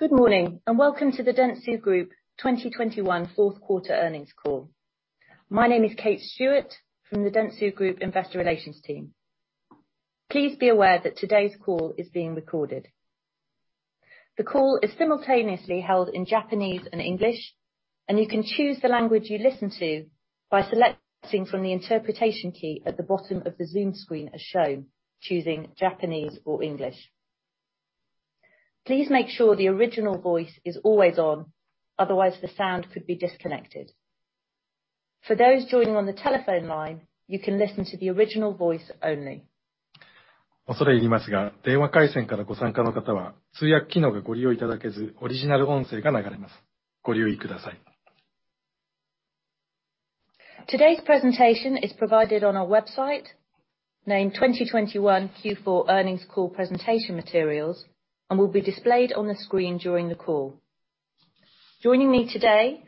Good morning, and welcome to the Dentsu Group 2021 fourth quarter earnings call. My name is Kate Stewart from the Dentsu Group Investor Relations team. Please be aware that today's call is being recorded. The call is simultaneously held in Japanese and English, and you can choose the language you listen to by selecting from the interpretation key at the bottom of the Zoom screen as shown, choosing Japanese or English. Please make sure the original voice is always on, otherwise the sound could be disconnected. For those joining on the telephone line, you can listen to the original voice only. Today's presentation is provided on our website, named 2021 Q4 Earnings Call Presentation Materials, and will be displayed on the screen during the call. Joining me today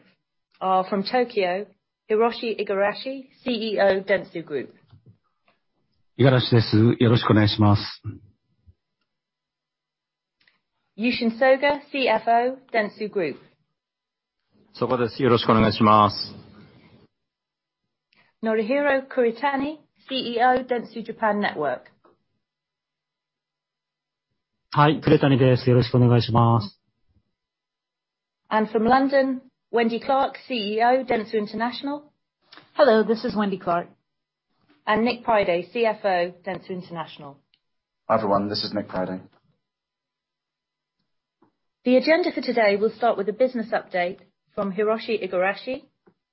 are from Tokyo, Hiroshi Igarashi, CEO, Dentsu Group. Yushin Soga, CFO, Dentsu Group. Norihiro Kuretani, CEO, Dentsu Japan Network. From London, Wendy Clark, CEO Dentsu International. Hello, this is Wendy Clark. Nick Priday, CFO Dentsu International. Hi, everyone. This is Nick Priday. The agenda for today will start with a business update from Hiroshi Igarashi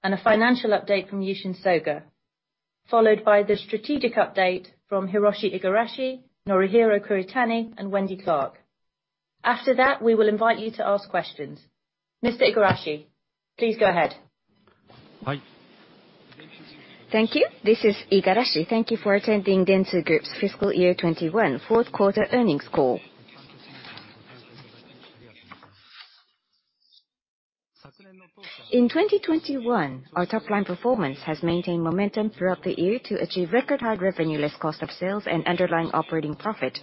and a financial update from Yushin Soga, followed by the strategic update from Hiroshi Igarashi, Norihiro Kuretani, and Wendy Clark. After that, we will invite you to ask questions. Mr. Igarashi, please go ahead. Thank you. This is Igarashi. Thank you for attending Dentsu Group's fiscal year 2021 Q4 earnings call. In 2021, our top line performance has maintained momentum throughout the year to achieve record high revenue, less cost of sales and underlying operating profit.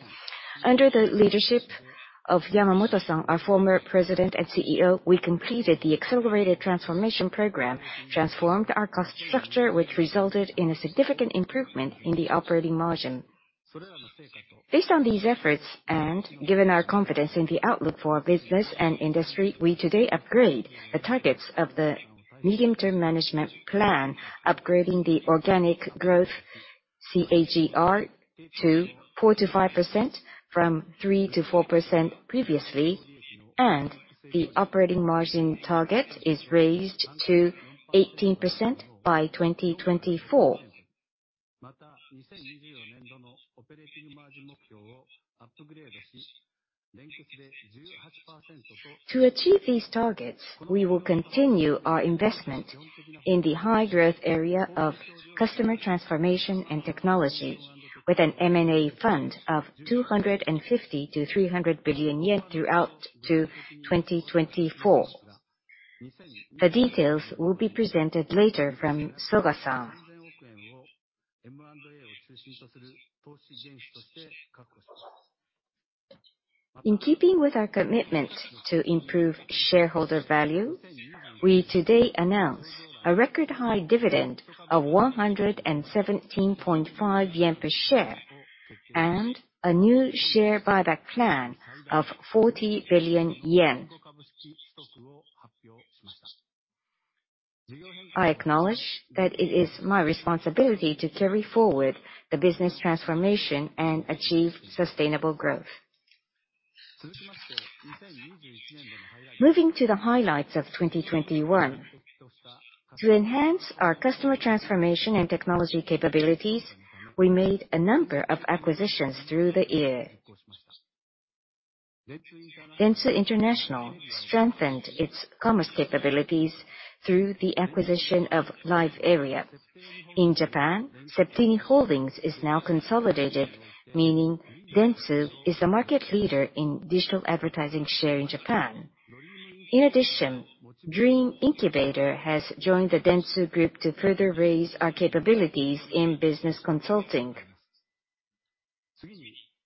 Under the leadership of Yamamoto-san, our former President and CEO, we completed the accelerated transformation program, transformed our cost structure, which resulted in a significant improvement in the operating margin. Based on these efforts, and given our confidence in the outlook for our business and industry, we today upgrade the targets of the medium-term management plan, upgrading the organic growth CAGR to 4%-5% from 3%-4% previously, and the operating margin target is raised to 18% by 2024. To achieve these targets, we will continue our investment in the high-growth area of customer transformation and technology with an M&A fund of 250 billion-300 billion yen through 2024. The details will be presented later from Soga-san. In keeping with our commitment to improve shareholder value, we today announce a record-high dividend of 117.5 yen per share and a new share buyback plan of 40 billion yen. I acknowledge that it is my responsibility to carry forward the business transformation and achieve sustainable growth. Moving to the highlights of 2021. To enhance our customer transformation and technology capabilities, we made a number of acquisitions through the year. Dentsu International strengthened its commerce capabilities through the acquisition of LiveArea. In Japan, Septeni Holdings is now consolidated, meaning Dentsu is the market leader in digital advertising share in Japan. In addition, Dream Incubator has joined the Dentsu Group to further raise our capabilities in business consulting.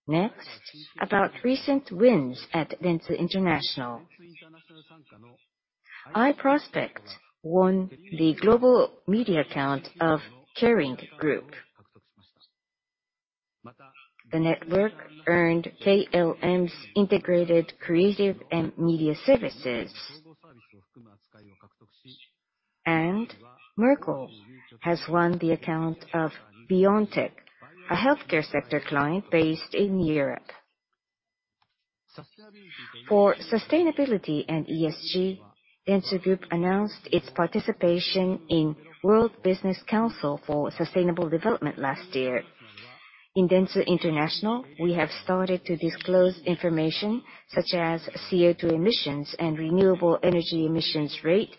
Next, about recent wins at Dentsu International. iProspect won the global media account of Kering. The network earned KLM's integrated creative and media services. Merkle has won the account of BioNTech, a healthcare sector client based in Europe. For sustainability and ESG, Dentsu Group announced its participation in World Business Council for Sustainable Development last year. In Dentsu International, we have started to disclose information such as CO2 emissions and renewable energy emissions rate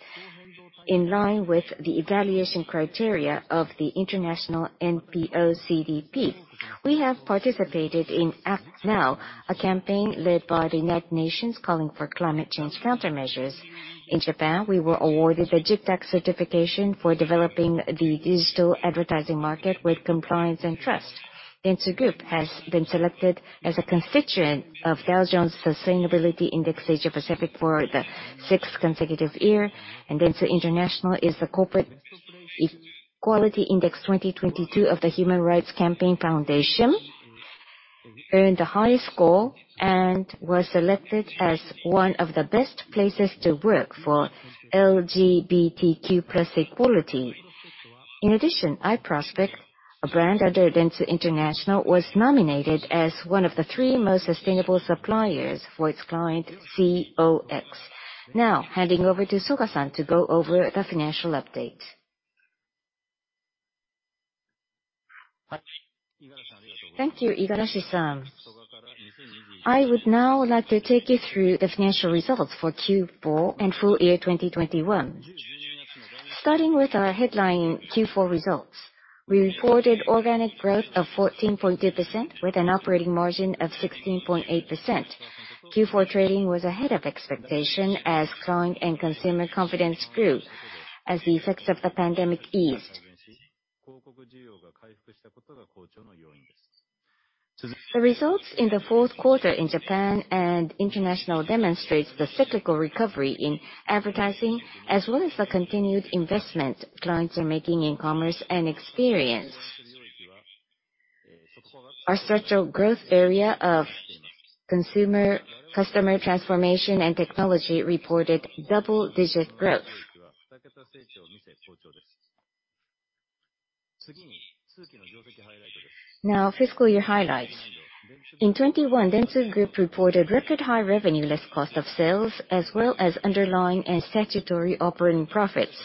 in line with the evaluation criteria of the international NPO CDP. We have participated in ActNow, a campaign led by the United Nations calling for climate change countermeasures. In Japan, we were awarded the JIPDEC certification for developing the digital advertising market with compliance and trust. Dentsu Group has been selected as a constituent of Dow Jones Sustainability Index Asia Pacific for the sixth consecutive year. Dentsu International in the Corporate Equality Index 2022 of the Human Rights Campaign Foundation earned the highest score and was selected as one of the best places to work for LGBTQ+ equality. In addition, iProspect, a brand under Dentsu International, was nominated as one of the three most sustainable suppliers for its client Cox. Now handing over to Soga-san to go over the financial update. Thank you Igarashi-san. I would now like to take you through the financial results for Q4 and full-year 2021. Starting with our headline Q4 results, we reported organic growth of 14.2% with an operating margin of 16.8%. Q4 trading was ahead of expectation as consumer confidence grew as the effects of the pandemic eased. The results in the fourth quarter in Japan and international demonstrates the cyclical recovery in advertising, as well as the continued investment clients are making in commerce and experience. Our structural growth area of consumer-customer transformation and technology reported double-digit growth. Now fiscal year highlights. In 2021, Dentsu Group reported record high revenue less cost of sales, as well as underlying and statutory operating profits.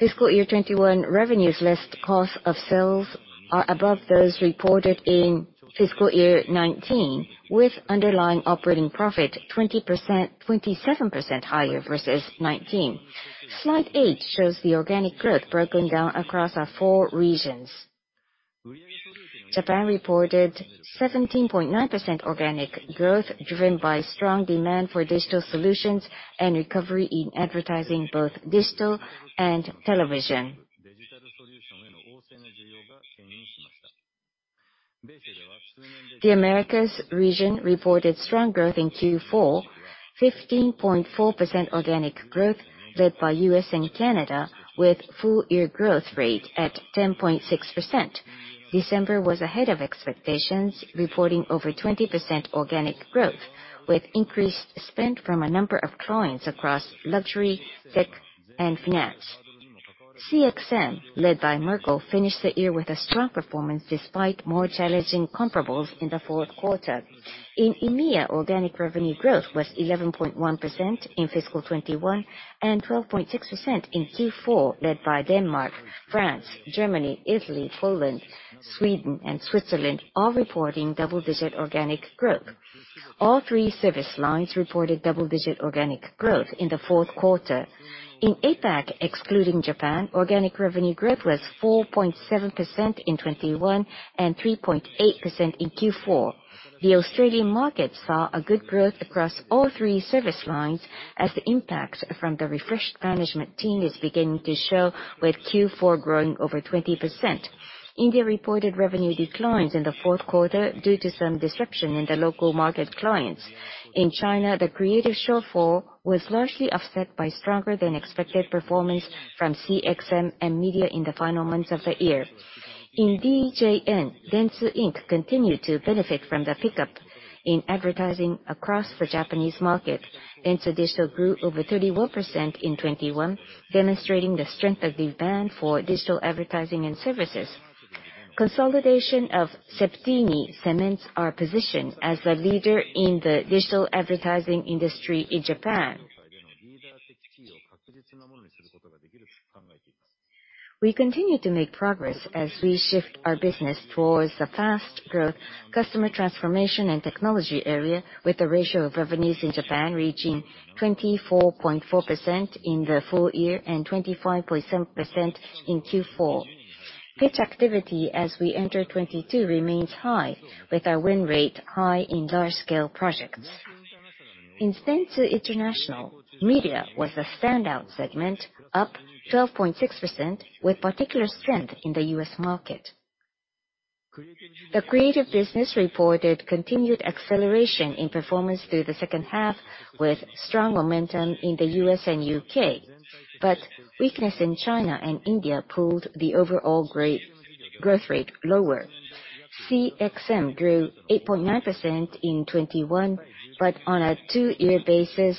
Fiscal year 2021 revenues less cost of sales are above those reported in fiscal year 2019, with underlying operating profit 27% higher versus 2019. Slide 8 shows the organic growth broken down across our four regions. Japan reported 17.9% organic growth, driven by strong demand for digital solutions and recovery in advertising, both digital and television. The Americas region reported strong growth in Q4, 15.4% organic growth led by U.S. and Canada with full-year growth rate at 10.6%. December was ahead of expectations, reporting over 20% organic growth with increased spend from a number of clients across luxury, tech, and finance. CXM, led by Merkle, finished the year with a strong performance despite more challenging comparables in the fourth quarter. In EMEA, organic revenue growth was 11.1% in fiscal 2021, and 12.6% in Q4, led by Denmark, France, Germany, Italy, Poland, Sweden, and Switzerland all reporting double-digit organic growth. All three service lines reported double-digit organic growth in the fourth quarter. In APAC, excluding Japan, organic revenue growth was 4.7% in 2021, and 3.8% in Q4. The Australian market saw a good growth across all three service lines as the impact from the refreshed management team is beginning to show with Q4 growing over 20%. India reported revenue declines in the fourth quarter due to some disruption in the local market clients. In China, the creative shortfall was largely offset by stronger than expected performance from CXM and media in the final months of the year. In DJN, Dentsu Inc. continued to benefit from the pickup in advertising across the Japanese market. Dentsu Digital grew over 31% in 2021, demonstrating the strength of demand for digital advertising and services. Consolidation of Septeni cements our position as the leader in the digital advertising industry in Japan. We continue to make progress as we shift our business towards the fast growth customer transformation and technology area with the ratio of revenues in Japan reaching 24.4% in the full-year and 25.7% in Q4. Pitch activity as we enter 2022 remains high, with our win rate high in large-scale projects. In Dentsu International, Media was the standout segment, up 12.6% with particular strength in the U.S. market. The Creative business reported continued acceleration in performance through the second half with strong momentum in the U.S. and U.K. Weakness in China and India pulled the overall growth rate lower. CXM grew 8.9% in 2021, but on a two-year basis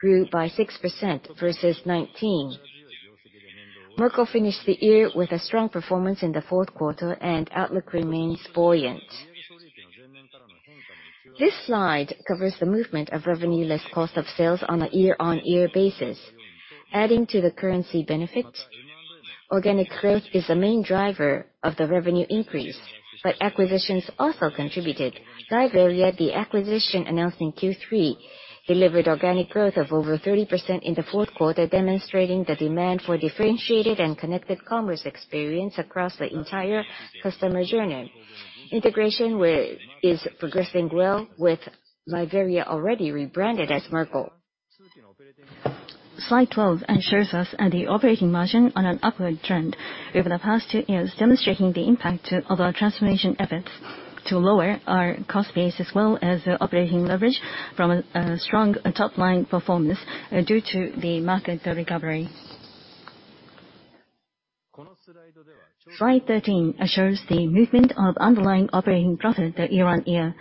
grew by 6% versus 2019. Merkle finished the year with a strong performance in the fourth quarter and outlook remains buoyant. This slide covers the movement of revenue less cost of sales on a year-over-year basis. Adding to the currency benefit, organic growth is the main driver of the revenue increase, but acquisitions also contributed. LiveArea, the acquisition announced in Q3, delivered organic growth of over 30% in the fourth quarter, demonstrating the demand for differentiated and connected commerce experience across the entire customer journey. Integration with Merkle is progressing well with LiveArea already rebranded as Merkle. Slide 12 shows us the operating margin on an upward trend over the past two years, demonstrating the impact of our transformation efforts to lower our cost base, as well as the operating leverage from a strong top-line performance due to the market recovery. Slide 13 shows the movement of underlying operating profit year-on-year,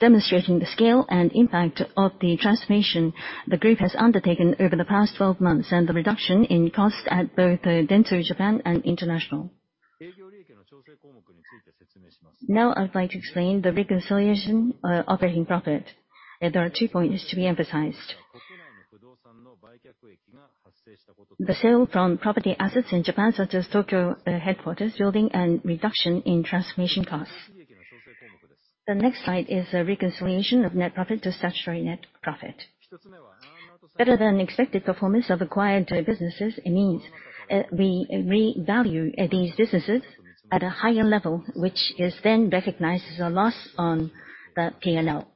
demonstrating the scale and impact of the transformation the group has undertaken over the past 12 months, and the reduction in costs at both Dentsu Japan and International. Now I'd like to explain the reconciliation of operating profit. There are two points to be emphasized. The sale of property assets in Japan, such as the Tokyo headquarters building, and reduction in transformation costs. The next slide is a reconciliation of net profit to statutory net profit. Better-than-expected performance of acquired businesses. It means, we revalue these businesses at a higher level, which is then recognized as a loss on the P&L.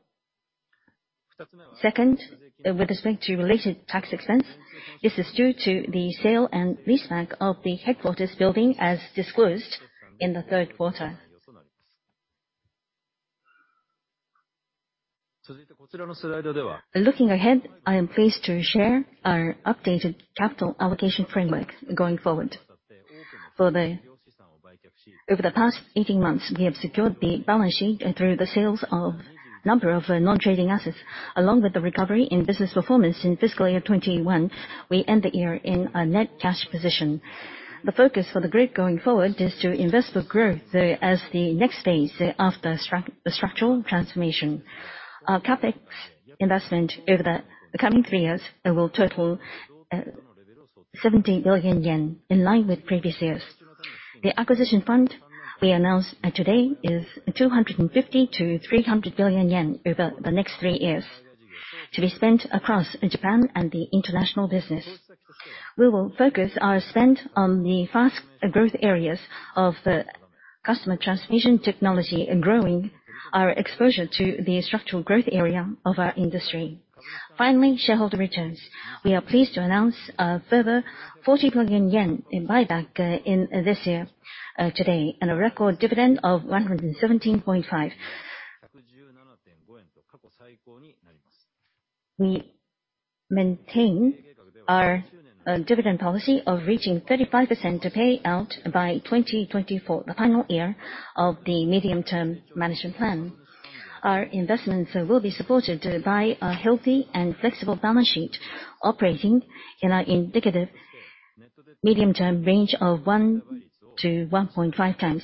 Second, with respect to related tax expense, this is due to the sale and leaseback of the headquarters building as disclosed in the third quarter. Looking ahead, I am pleased to share our updated capital allocation framework going forward. Over the past 18 months, we have secured the balance sheet through the sales of a number of non-trading assets. Along with the recovery in business performance in fiscal year 2021, we end the year in a net cash position. The focus for the group going forward is to invest for growth, as the next phase after structural transformation. Our CapEx investment over the coming three years will total 70 billion yen, in line with previous years. The acquisition fund we announced today is 250 billion-300 billion yen over the next three years, to be spent across Japan and the International business. We will focus our spend on the fast growth areas of the customer transformation technology and growing our exposure to the structural growth area of our industry. Finally, shareholder returns. We are pleased to announce a further 40 billion yen in buyback in this year, today, and a record dividend of 117.5. We maintain our dividend policy of reaching 35% payout by 2024, the final year of the medium-term management plan. Our investments will be supported by a healthy and flexible balance sheet operating in our indicative medium-term range of 1x-1.5x.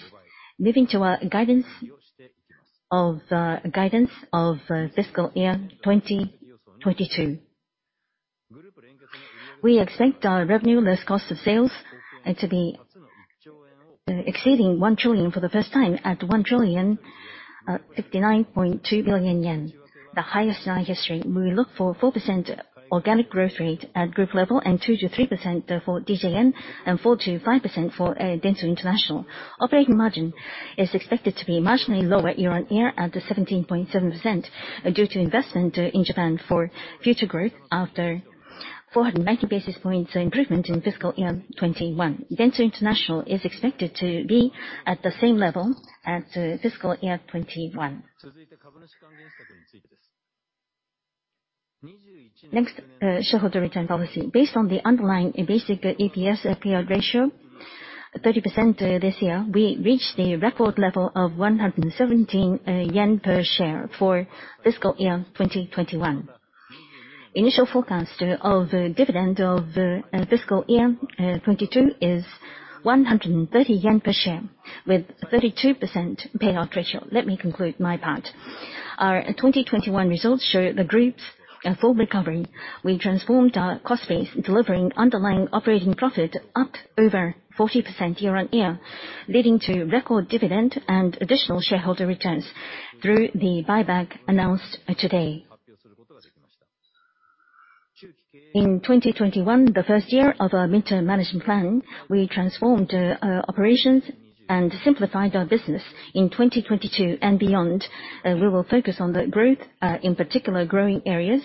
Moving to our guidance of fiscal year 2022. We expect our revenue less cost of sales to be exceeding 1 trillion for the first time at 1,059.2 billion yen, the highest in our history. We look for 4% organic growth rate at group level, and 2%-3% for DJN, and 4%-5% for Dentsu International. Operating margin is expected to be marginally lower year-on-year at 17.7%, due to investment in Japan for future growth after 490 basis points improvement in fiscal year 2021. Dentsu International is expected to be at the same level as fiscal year 2021. Next, shareholder return policy. Based on the underlying basic EPS payout ratio, 30% this year, we reached a record level of 117 yen per share for fiscal year 2021. Initial forecast for dividend of fiscal year 2022 is 130 yen per share with a 32% payout ratio. Let me conclude my part. Our 2021 results show the group's full recovery. We transformed our cost base, delivering underlying operating profit up over 40% year-on-year, leading to record dividend and additional shareholder returns through the buyback announced today. In 2021, the first year of our midterm management plan, we transformed our operations and simplified our business. In 2022 and beyond, we will focus on the growth, in particular growing areas.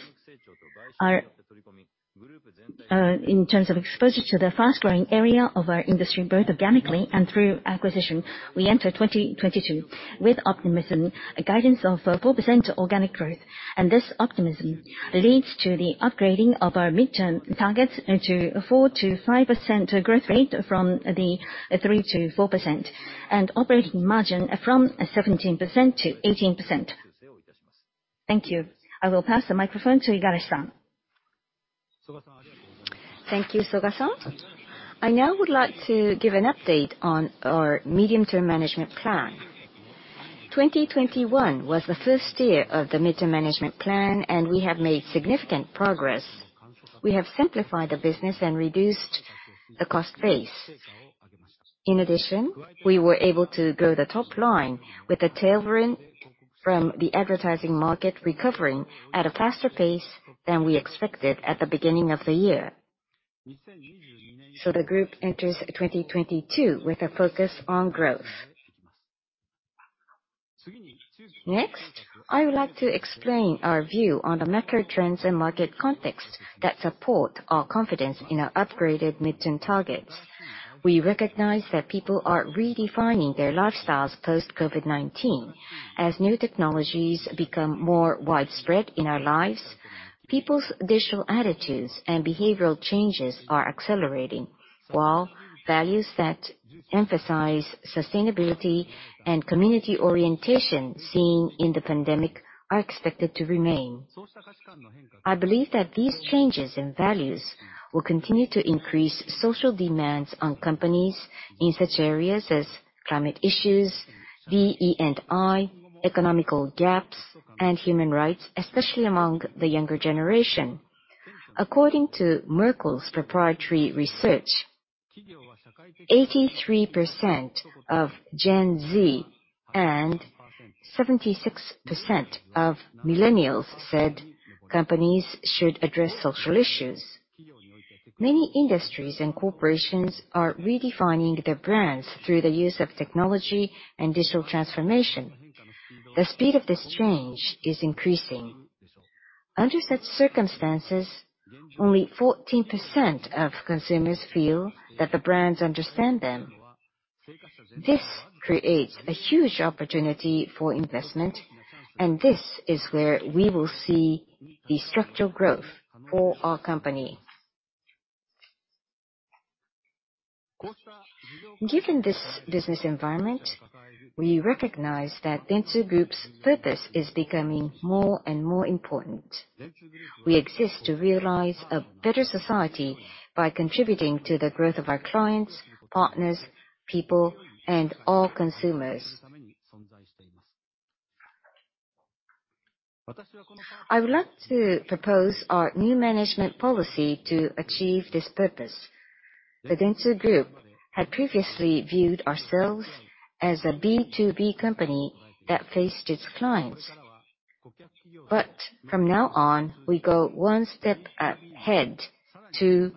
In terms of exposure to the fast-growing area of our industry, both organically and through acquisition. We enter 2022 with optimism, a guidance of 4% organic growth. This optimism leads to the upgrading of our mid-term targets to 4%-5% growth rate from the 3%-4%, and operating margin from 17%-18%. Thank you. I will pass the microphone to Igarashi-san. Thank you, Soga-san. I now would like to give an update on our medium-term management plan. 2021 was the first year of the mid-term management plan, and we have made significant progress. We have simplified the business and reduced the cost base. In addition, we were able to grow the top line with the tailwind from the advertising market recovering at a faster pace than we expected at the beginning of the year. The group enters 2022 with a focus on growth. Next, I would like to explain our view on the macro trends and market context that support our confidence in our upgraded mid-term targets. We recognize that people are redefining their lifestyles post COVID-19. As new technologies become more widespread in our lives, people's digital attitudes and behavioral changes are accelerating, while values that emphasize sustainability and community orientation seen in the pandemic are expected to remain. I believe that these changes in values will continue to increase social demands on companies in such areas as climate issues, DE&I, economic gaps, and human rights, especially among the younger generation. According to Merkle's proprietary research, 83% of Gen Z and 76% of Millennials said companies should address social issues. Many industries and corporations are redefining their brands through the use of technology and digital transformation. The speed of this change is increasing. Under such circumstances, only 14% of consumers feel that the brands understand them. This creates a huge opportunity for investment, and this is where we will see the structural growth for our company. Given this business environment, we recognize that Dentsu Group's purpose is becoming more and more important. We exist to realize a better society by contributing to the growth of our clients, partners, people, and all consumers. I would like to propose our new management policy to achieve this purpose. The Dentsu Group had previously viewed ourselves as a B2B company that faced its clients. From now on, we go one step up ahead to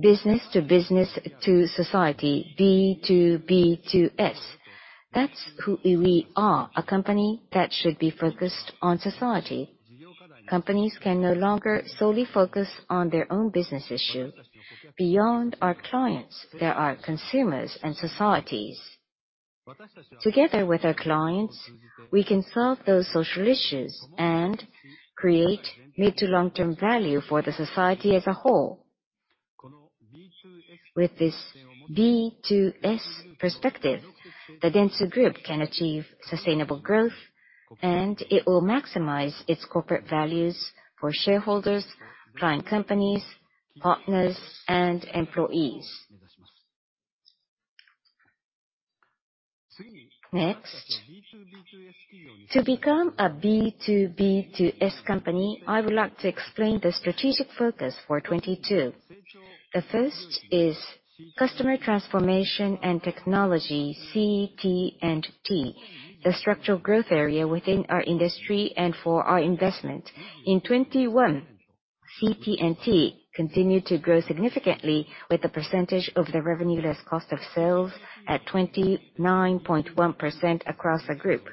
business to business to society, B-to-B-to-S. That's who we are, a company that should be focused on society. Companies can no longer solely focus on their own business issue. Beyond our clients, there are consumers and societies. Together with our clients, we can solve those social issues and create mid to long-term value for the society as a whole. With this B2S perspective, the Dentsu Group can achieve sustainable growth, and it will maximize its corporate values for shareholders, client companies, partners, and employees. Next, to become a B-to-B-to-S company, I would like to explain the strategic focus for 2022. The first is customer transformation and technology, CT&T, the structural growth area within our industry and for our investment. In 2021, CT&T continued to grow significantly with the percentage of the revenue less cost of sales at 29.1% across the group.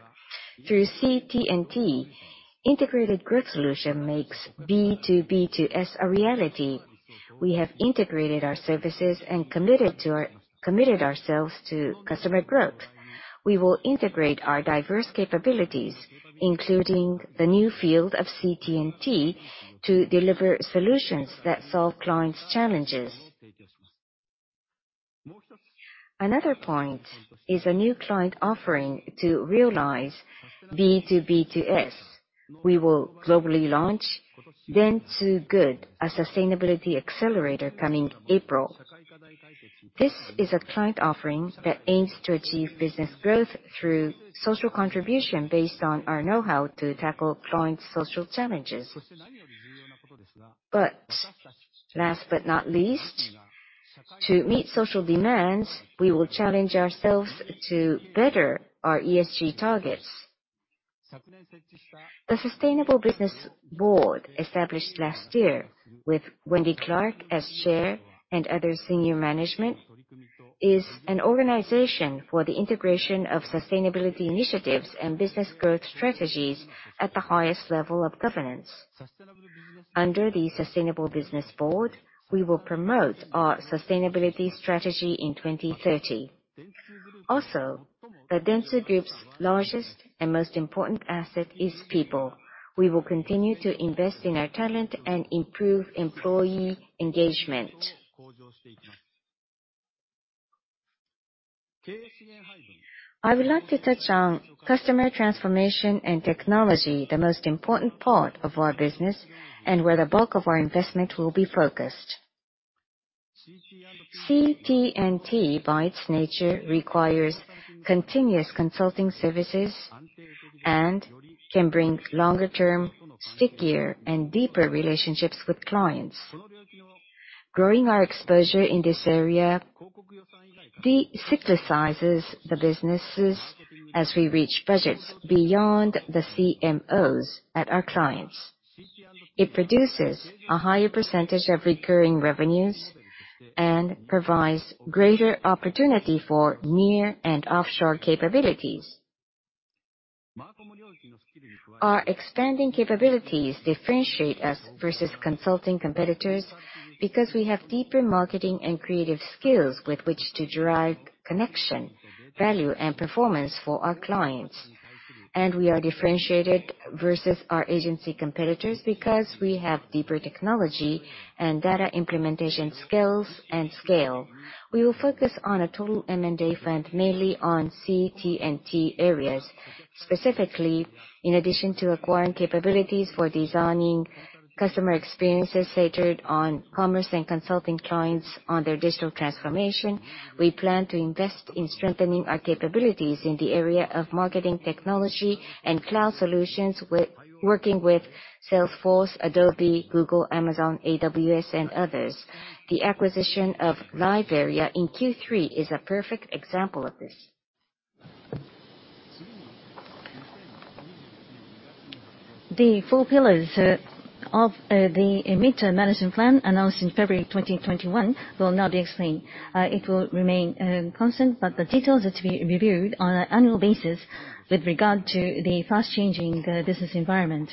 Through CT&T, integrated growth solution makes B2B2S a reality. We have integrated our services and committed ourselves to customer growth. We will integrate our diverse capabilities, including the new field of CT&T, to deliver solutions that solve clients' challenges. Another point is a new client offering to realize B2B2S. We will globally launch Dentsu Good, a sustainability accelerator, coming April. This is a client offering that aims to achieve business growth through social contribution based on our know-how to tackle clients' social challenges. Last but not least, to meet social demands, we will challenge ourselves to better our ESG targets. The Sustainable Business Board, established last year with Wendy Clark as Chair and other senior management, is an organization for the integration of sustainability initiatives and business growth strategies at the highest level of governance. Under the Sustainable Business Board, we will promote our sustainability strategy in 2030. Also, the Dentsu Group's largest and most important asset is people. We will continue to invest in our talent and improve employee engagement. I would like to touch on customer transformation and technology, the most important part of our business, and where the bulk of our investment will be focused. CT&T, by its nature, requires continuous consulting services and can bring longer-term, stickier, and deeper relationships with clients. Growing our exposure in this area de-risks the businesses as we reach budgets beyond the CMOs at our clients. It produces a higher percentage of recurring revenues and provides greater opportunity for near and offshore capabilities. Our expanding capabilities differentiate us versus consulting competitors because we have deeper marketing and creative skills with which to drive connection, value, and performance for our clients. We are differentiated versus our agency competitors because we have deeper technology and data implementation skills and scale. We will focus on a total M&A fund mainly on CT&T areas. Specifically, in addition to acquiring capabilities for designing customer experiences centered on commerce and consulting clients on their digital transformation, we plan to invest in strengthening our capabilities in the area of marketing technology and cloud solutions with working with Salesforce, Adobe, Google, Amazon, AWS, and others. The acquisition of LiveArea in Q3 is a perfect example of this. The four pillars of the mid-term management plan announced in February 2021 will now be explained. It will remain constant, but the details are to be reviewed on an annual basis with regard to the fast-changing business environment.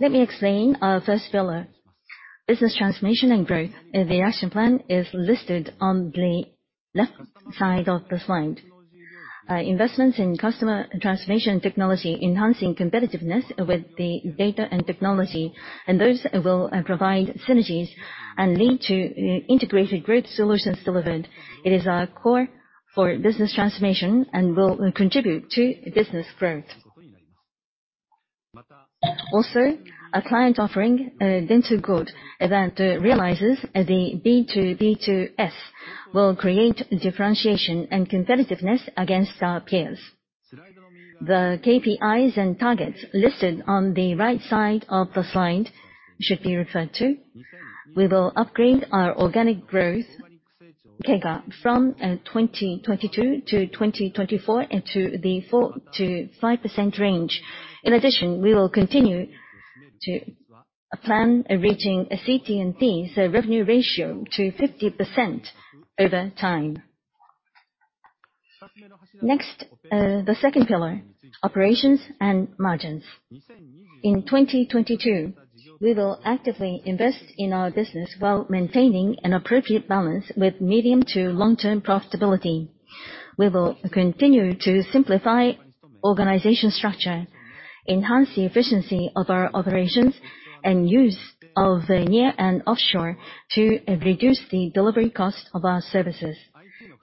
Let me explain our first pillar, business transformation and growth. The action plan is listed on the left side of the slide. Investments in customer transformation technology enhancing competitiveness with the data and technology, and those will provide synergies and lead to integrated growth solutions delivered. It is our core for business transformation and will contribute to business growth. Also, a client offering, Dentsu Growth that realizes the B2B2S will create differentiation and competitiveness against our peers. The KPIs and targets listed on the right side of the slide should be referred to. We will upgrade our organic growth KEGA from 2022 to 2024 into the 4%-5% range. In addition, we will continue to plan reaching a CT&T-to-revenue ratio to 50% over time. Next, the second pillar, operations and margins. In 2022, we will actively invest in our business while maintaining an appropriate balance with medium- to long-term profitability. We will continue to simplify organization structure, enhance the efficiency of our operations, and use of the nearshore and offshore to reduce the delivery cost of our services.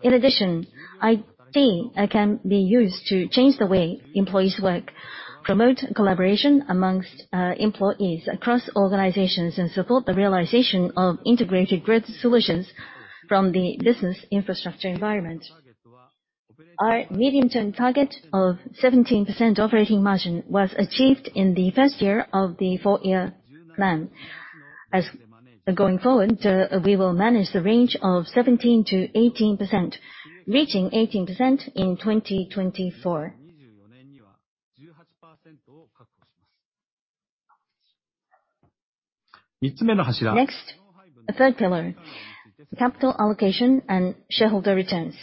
In addition, IT can be used to change the way employees work, promote collaboration among employees across organizations, and support the realization of integrated growth solutions from the business infrastructure environment. Our medium-term target of 17% operating margin was achieved in the first year of the four-year plan. Going forward, we will manage the range of 17%-18%, reaching 18% in 2024. Next, the third pillar, capital allocation and shareholder returns.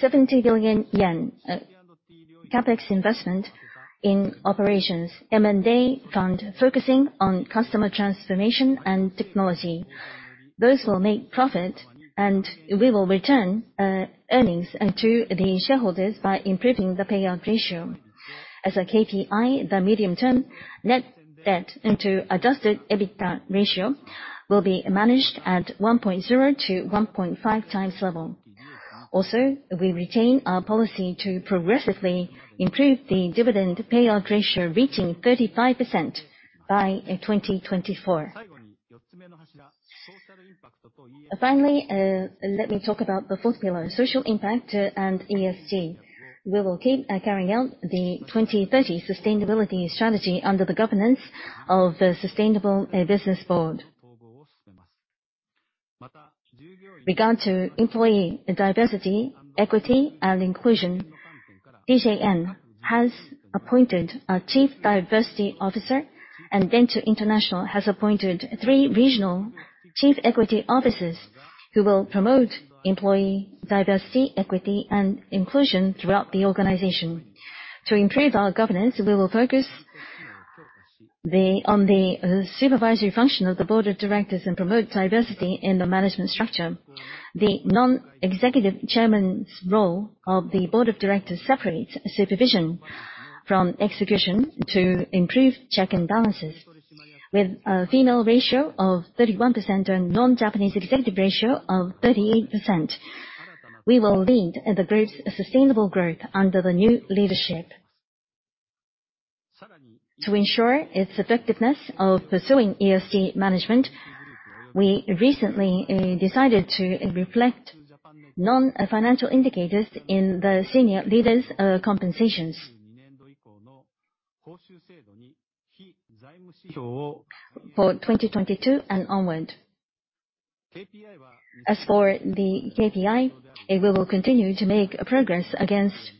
70 billion yen CapEx investment in operations, M&A fund focusing on customer transformation and technology. Those will make profit, and we will return earnings to the shareholders by improving the payout ratio. As a KPI, the medium-term net debt to adjusted EBITDA ratio will be managed at 1.0x-1.5x level. Also, we retain our policy to progressively improve the dividend payout ratio, reaching 35% by 2024. Finally, let me talk about the fourth pillar, social impact and ESG. We will keep carrying out the 2030 sustainability strategy under the governance of the Sustainable Business Board. Regarding employee diversity, equity, and inclusion, DJN has appointed a Chief Diversity Officer, and Dentsu International has appointed three regional Chief Equity Officers who will promote employee diversity, equity, and inclusion throughout the organization. To improve our governance, we will focus on the supervisory function of the Board of Directors and promote diversity in the management structure. The Non-Executive Chairman's role of the Board of Directors separates supervision from execution to improve checks and balances. With a female ratio of 31% and non-Japanese executive ratio of 38%, we will lead the group's sustainable growth under the new leadership. To ensure its effectiveness of pursuing ESG management, we recently decided to reflect non-financial indicators in the senior leaders' compensations for 2022 and onward. As for the KPI, we will continue to make progress against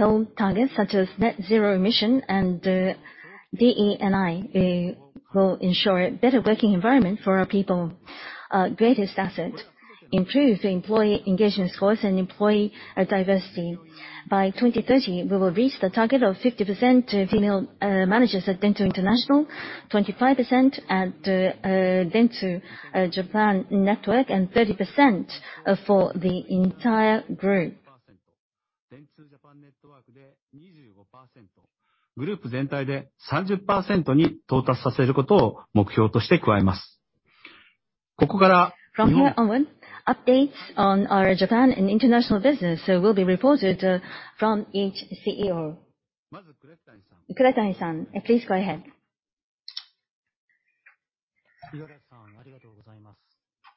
long-held targets such as net zero emission and DE&I. We will ensure better working environment for our people, our greatest asset, improve the employee engagement scores and employee diversity. By 2030, we will reach the target of 50% female managers at Dentsu International, 25% at Dentsu Japan Network, and 30% for the entire group. From here onward, updates on our Japan and international business will be reported from each CEO. Kuretani-san, please go ahead.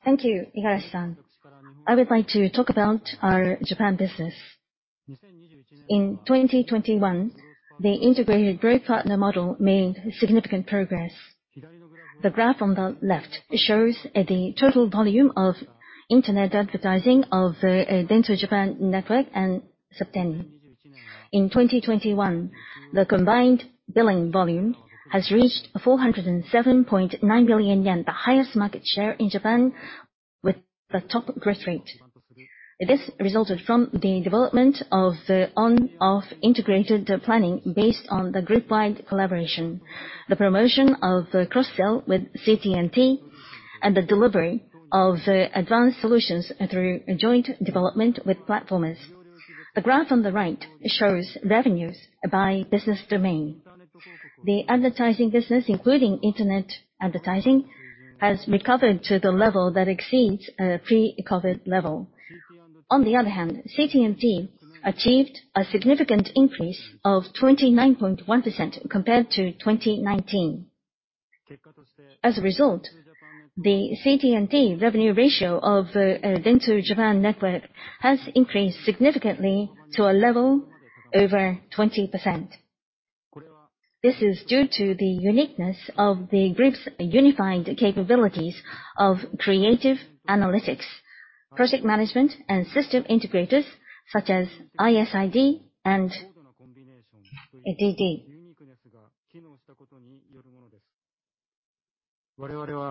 Thank you, Igarashi-san. I would like to talk about our Japan business. In 2021, the integrated growth partner model made significant progress. The graph on the left shows the total volume of internet advertising of the Dentsu Japan Network and Septeni. In 2021, the combined billing volume has reached 407.9 billion yen, the highest market share in Japan with the top growth rate. This resulted from the development of integrated planning based on the group-wide collaboration, the promotion of cross-sell with CT&T, and the delivery of the Advanced Solutions through joint development with platformers. The graph on the right shows revenues by business domain. The advertising business, including internet advertising, has recovered to the level that exceeds a pre-COVID level. On the other hand, CT&T achieved a significant increase of 29.1% compared to 2019. As a result, the CT&T revenue ratio of Dentsu Japan Network has increased significantly to a level over 20%. This is due to the uniqueness of the group's unified capabilities of creative analytics, project management, and system integrators such as ISID and DD.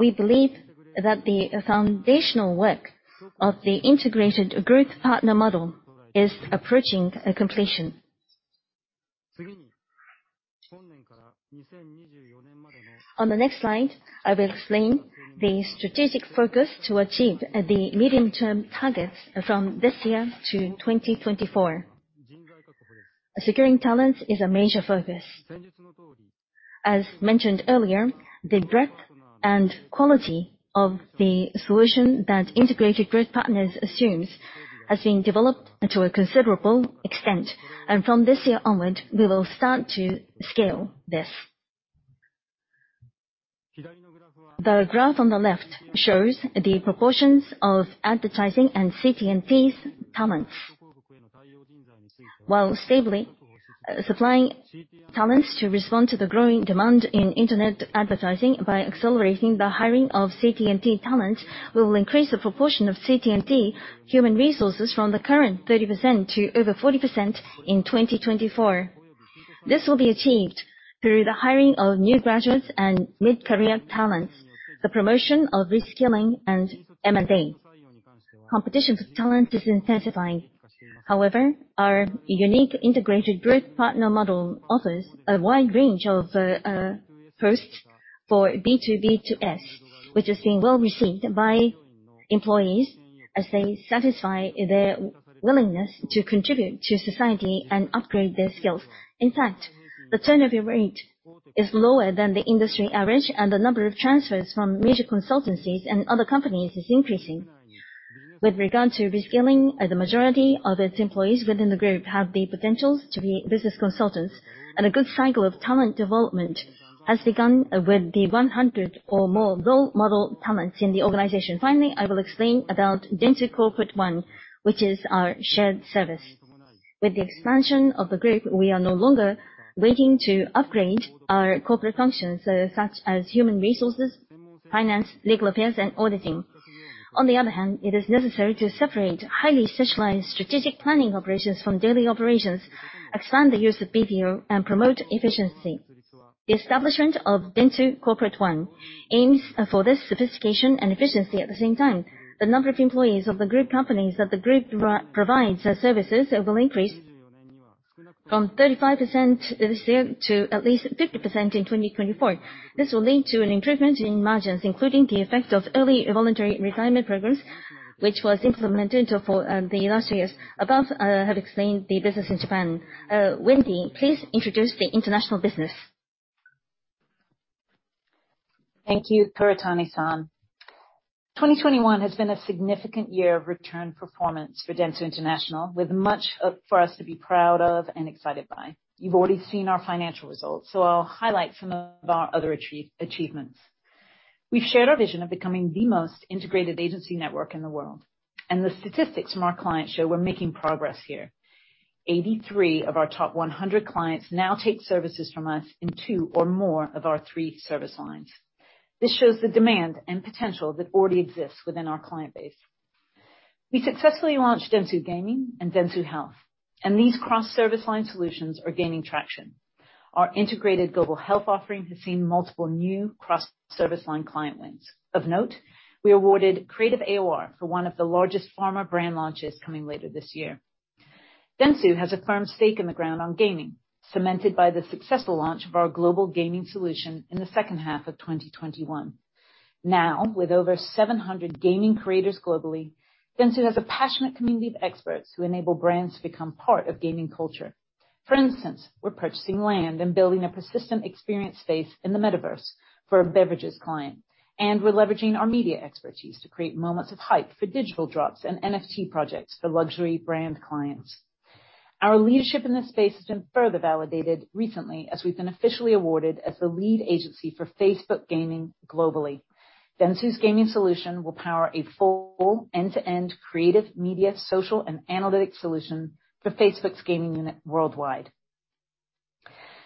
We believe that the foundational work of the integrated growth partner model is approaching completion. On the next slide, I will explain the strategic focus to achieve the medium-term targets from this year to 2024. Securing talents is a major focus. As mentioned earlier, the breadth and quality of the solution that integrated growth partners assumes has been developed to a considerable extent. From this year onward, we will start to scale this. The graph on the left shows the proportions of advertising and CT&T's talents. While stably supplying talents to respond to the growing demand in internet advertising by accelerating the hiring of CT&T talents, we will increase the proportion of CT&T human resources from the current 30% to over 40% in 2024. This will be achieved through the hiring of new graduates and mid-career talents, the promotion of reskilling and M&A. Competition for talent is intensifying. However, our unique integrated growth partner model offers a wide range of posts for B2B2S, which is being well-received by employees as they satisfy their willingness to contribute to society and upgrade their skills. In fact, the turnover rate is lower than the industry average, and the number of transfers from major consultancies and other companies is increasing. With regard to reskilling, the majority of its employees within the group have the potentials to be business consultants, and a good cycle of talent development has begun with the 100 or more role model talents in the organization. Finally, I will explain about Dentsu Corporate One, which is our shared service. With the expansion of the group, we are no longer waiting to upgrade our corporate functions, such as human resources, finance, legal affairs, and auditing. On the other hand, it is necessary to separate highly specialized strategic planning operations from daily operations, expand the use of BPO, and promote efficiency. The establishment of Dentsu Corporate One aims for this sophistication and efficiency at the same time. The number of employees of the group companies that the group provides services will increase from 35% this year to at least 50% in 2024. This will lead to an improvement in margins, including the effect of early voluntary retirement programs, which was implemented for the last two years. Above, I have explained the business in Japan. Wendy, please introduce the international business. Thank you, Kuretani-san. 2021 has been a significant year of return performance for Dentsu International, with much for us to be proud of and excited by. You've already seen our financial results, so I'll highlight some of our other achievements. We've shared our vision of becoming the most integrated agency network in the world, and the statistics from our clients show we're making progress here. 83 of our top 100 clients now take services from us in two or more of our three service lines. This shows the demand and potential that already exists within our client base. We successfully launched Dentsu Gaming and Dentsu Health, and these cross-service line solutions are gaining traction. Our integrated global health offering has seen multiple new cross-service line client wins. Of note, we awarded Creative AOR for one of the largest pharma brand launches coming later this year. Dentsu has a firm stake in the ground on gaming, cemented by the successful launch of our Global Gaming Solution in the second half of 2021. Now, with over 700 gaming creators globally, Dentsu has a passionate community of experts who enable brands to become part of gaming culture. For instance, we're purchasing land and building a persistent experience space in the metaverse for a beverages client, and we're leveraging our media expertise to create moments of hype for digital drops and NFT projects for luxury brand clients. Our leadership in this space has been further validated recently as we've been officially awarded as the lead agency for Facebook gaming globally. Dentsu's Gaming Solution will power a full end-to-end creative media, social, and analytic solution for Facebook's gaming unit worldwide.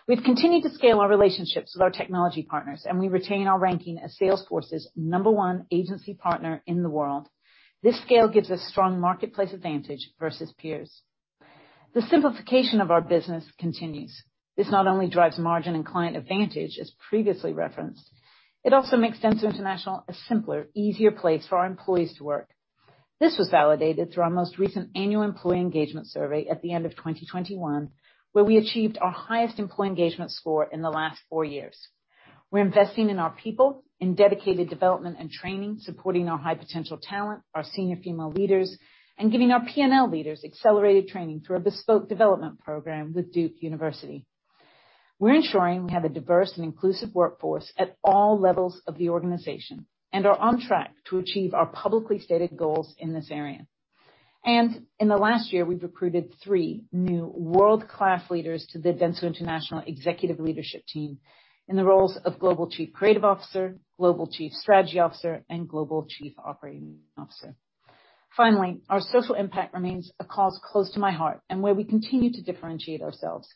We've continued to scale our relationships with our technology partners, and we retain our ranking as Salesforce's ]Number 1 agency partner in the world. This scale gives us strong marketplace advantage versus peers. The simplification of our business continues. This not only drives margin and client advantage as previously referenced, it also makes Dentsu International a simpler, easier place for our employees to work. This was validated through our most recent annual employee engagement survey at the end of 2021, where we achieved our highest employee engagement score in the last four years. We're investing in our people, in dedicated development and training, supporting our high-potential talent, our senior female leaders, and giving our P&L leaders accelerated training through a bespoke development program with Duke University. We're ensuring we have a diverse and inclusive workforce at all levels of the organization, and are on track to achieve our publicly stated goals in this area. In the last year, we've recruited three new world-class leaders to the Dentsu International Executive leadership team in the roles of Global Chief Creative Officer, Global Chief Strategy Officer, and Global Chief Operating Officer. Finally, our social impact remains a cause close to my heart and where we continue to differentiate ourselves.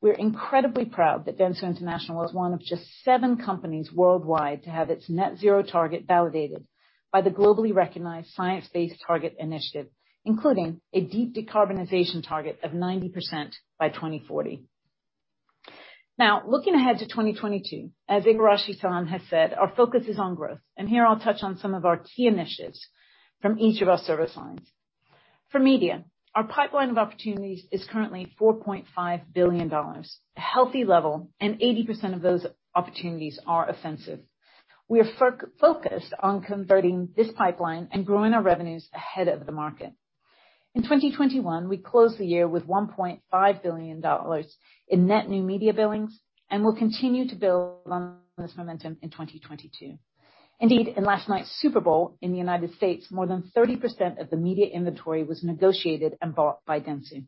We're incredibly proud that Dentsu International is one of just seven companies worldwide to have its net zero target validated by the globally recognized Science Based Targets initiative, including a deep decarbonization target of 90% by 2040. Now, looking ahead to 2022, as Igarashi-san has said, our focus is on growth, and here I'll touch on some of our key initiatives from each of our service lines. For Media, our pipeline of opportunities is currently $4.5 billion, a healthy level, and 80% of those opportunities are offensive. We are focused on converting this pipeline and growing our revenues ahead of the market. In 2021, we closed the year with $1.5 billion in net new media billings and will continue to build on this momentum in 2022. Indeed, in last night's Super Bowl in the United States, more than 30% of the media inventory was negotiated and bought by Dentsu.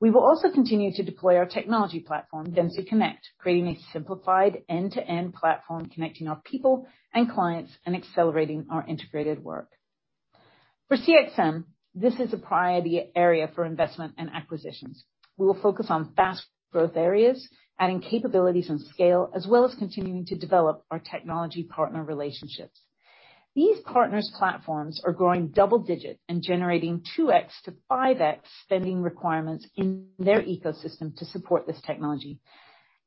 We will also continue to deploy our technology platform, dentsu. Connect, creating a simplified end-to-end platform, connecting our people and clients and accelerating our integrated work. For CXM, this is a priority area for investment and acquisitions. We will focus on fast growth areas, adding capabilities and scale, as well as continuing to develop our technology partner relationships. These partners' platforms are growing double-digit and generating 2x-5x spending requirements in their ecosystem to support this technology.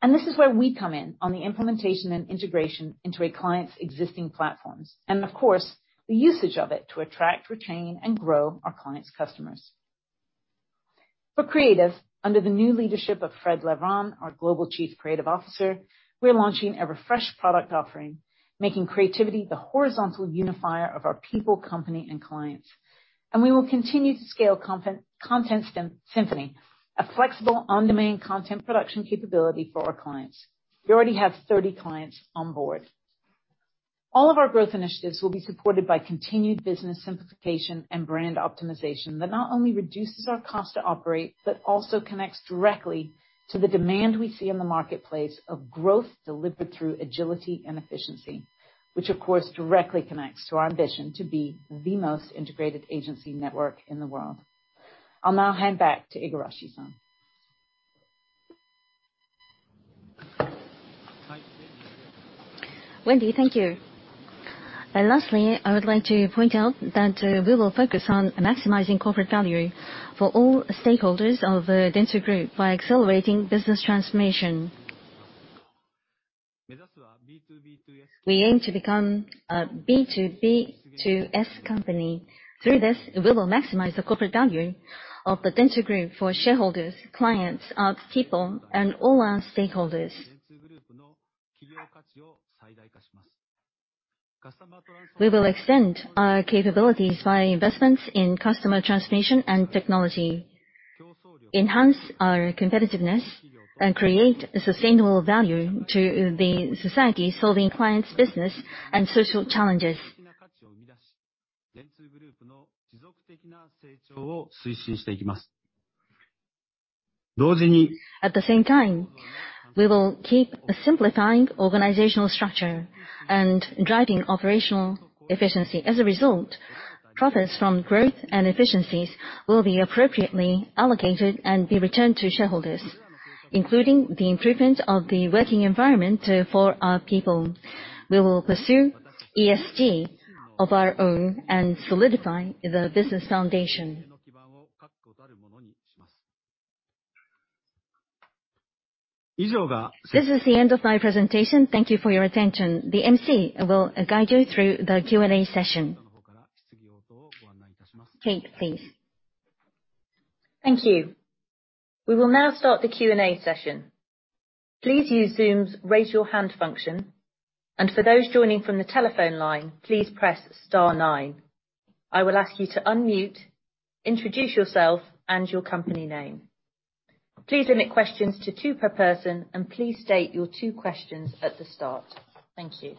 This is where we come in on the implementation and integration into a client's existing platforms, and of course, the usage of it to attract, retain, and grow our clients' customers. For creative, under the new leadership of Fred Levron, our Global Chief Creative Officer, we're launching a refreshed product offering, making creativity the horizontal unifier of our people, company, and clients. We will continue to scale content, Content Symphony, a flexible on-demand content production capability for our clients. We already have 30 clients on board. All of our growth initiatives will be supported by continued business simplification and brand optimization that not only reduces our cost to operate, but also connects directly to the demand we see in the marketplace of growth delivered through agility and efficiency, which of course, directly connects to our ambition to be the most integrated agency network in the world. I'll now hand back to Igarashi-san. Wendy, thank you. Lastly, I would like to point out that we will focus on maximizing corporate value for all stakeholders of Dentsu Group by accelerating business transformation. We aim to become a B2B2S company. Through this, we will maximize the corporate value of the Dentsu Group for shareholders, clients, our people, and all our stakeholders. We will extend our capabilities by investments in customer transformation and technology, enhance our competitiveness, and create sustainable value to the society, solving clients' business and social challenges. At the same time, we will keep simplifying organizational structure and driving operational efficiency. As a result, profits from growth and efficiencies will be appropriately allocated and be returned to shareholders, including the improvement of the working environment for our people. We will pursue ESG of our own and solidify the business foundation. This is the end of my presentation. Thank you for your attention. The MC will guide you through the Q&A session. Kate, please. Thank you. We will now start the Q&A session. Please use Zoom's Raise Your Hand function, and for those joining from the telephone line, please press Star nine. I will ask you to unmute, introduce yourself and your company name. Please limit questions to two per person, and please state your two questions at the start. Thank you.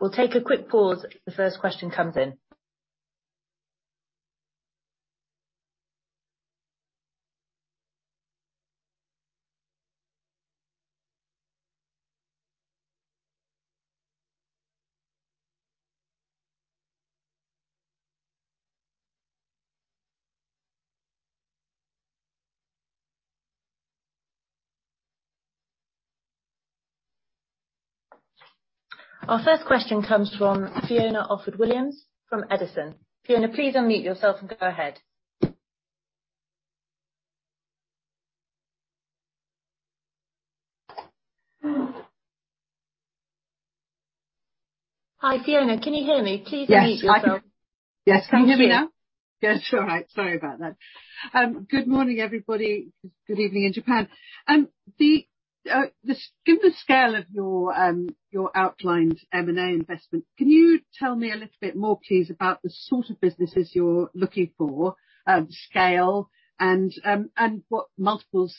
We'll take a quick pause if the first question comes in. Our first question comes from Fiona Orford-Williams from Edison. Fiona, please unmute yourself and go ahead. Hi, Fiona, can you hear me? Please unmute yourself. Yes, I can. Thank you. Yes, can you hear me now? Yes. All right. Sorry about that. Good morning, everybody. Good evening in Japan. Given the scale of your outlined M&A investment, can you tell me a little bit more please about the sort of businesses you're looking for, scale and what multiples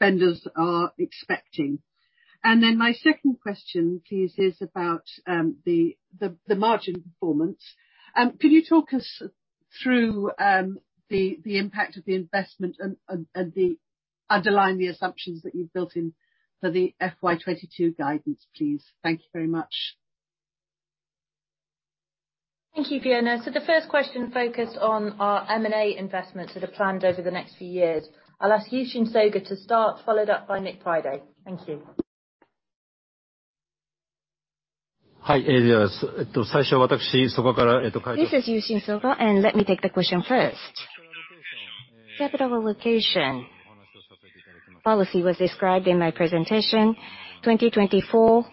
vendors are expecting? Then my second question please is about the margin performance. Can you talk us through the impact of the investment and the underlying assumptions that you've built in for the FY 2022 guidance, please? Thank you very much. Thank you, Fiona. The first question focused on our M&A investments that are planned over the next few years. I'll ask Yushin Soga to start, followed up by Nick Priday. Thank you. This is Yushin Soga, and let me take the question first. Capital allocation policy was described in my presentation. 2024,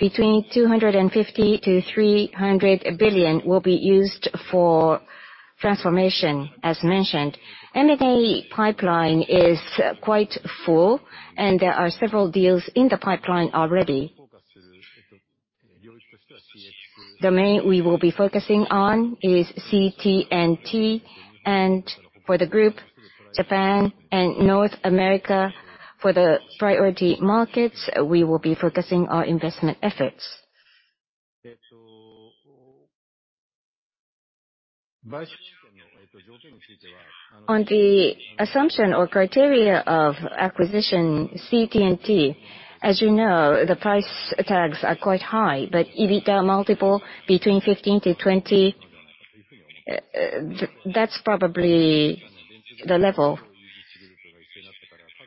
between 250 billion-300 billion will be used for transformation, as mentioned. M&A pipeline is quite full, and there are several deals in the pipeline already. Domain we will be focusing on is CT&T and for the group, Japan and North America for the priority markets, we will be focusing our investment efforts. On the assumption or criteria of acquisition CT&T, as you know, the price tags are quite high, but EBITDA multiple between 15x-20x, that's probably the level.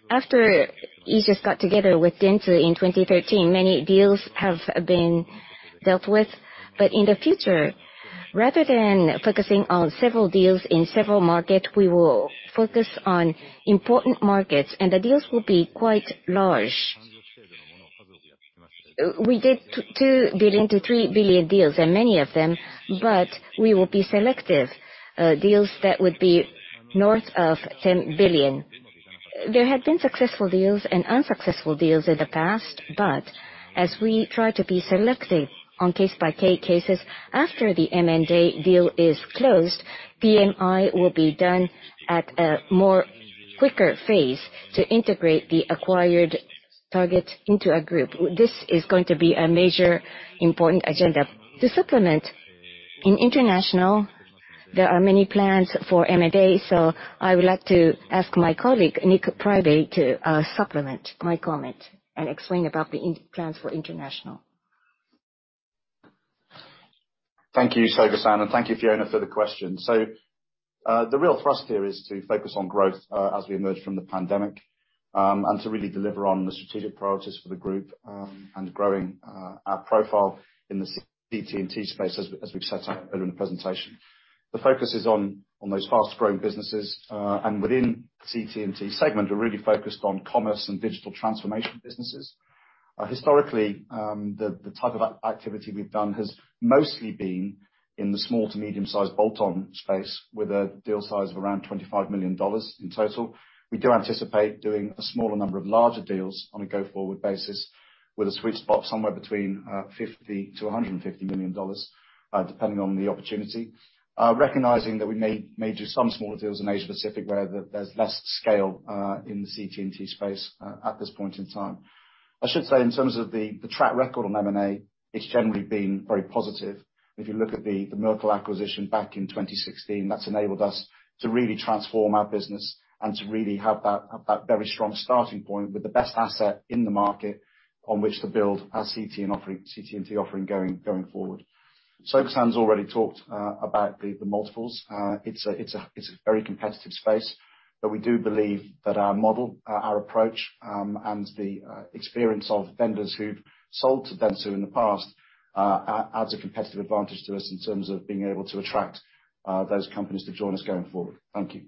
After Aegis got together with Dentsu in 2013, many deals have been dealt with. In the future, rather than focusing on several deals in several market, we will focus on important markets, and the deals will be quite large. We did $2 billion-$3 billion deals and many of them, but we will be selective, deals that would be north of $10 billion. There have been successful deals and unsuccessful deals in the past, but as we try to be selective on case by case after the M&A deal is closed, PMI will be done at a more quicker phase to integrate the acquired target into a group. This is going to be a major important agenda. To supplement, in International, there are many plans for M&A, so I would like to ask my colleague, Nick Priday, to supplement my comment and explain about the plans for international. Thank you, Soga-san, and thank you, Fiona, for the question. The real thrust here is to focus on growth, as we emerge from the pandemic, and to really deliver on the strategic priorities for the group, and growing our profile in the CT&T space as we've set out earlier in the presentation. The focus is on those fast-growing businesses. Within CT&T segment, we're really focused on Commerce and Digital Transformation businesses. Historically, the type of activity we've done has mostly been in the small to medium-sized bolt-on space with a deal size of around $25 million in total. We do anticipate doing a smaller number of larger deals on a go-forward basis with a sweet spot somewhere between $50 million-$150 million. Depending on the opportunity. Recognizing that we may do some smaller deals in Asia Pacific where there's less scale in the CT&T space at this point in time. I should say in terms of the track record on M&A, it's generally been very positive. If you look at the Merkle acquisition back in 2016, that's enabled us to really transform our business and to really have that very strong starting point with the best asset in the market on which to build our CT and offering, CT&T offering going forward. Soga-san's already talked about the multiples. It's a very competitive space, but we do believe that our model, our approach, and the experience of vendors who've sold to Dentsu in the past adds a competitive advantage to us in terms of being able to attract those companies to join us going forward. Thank you.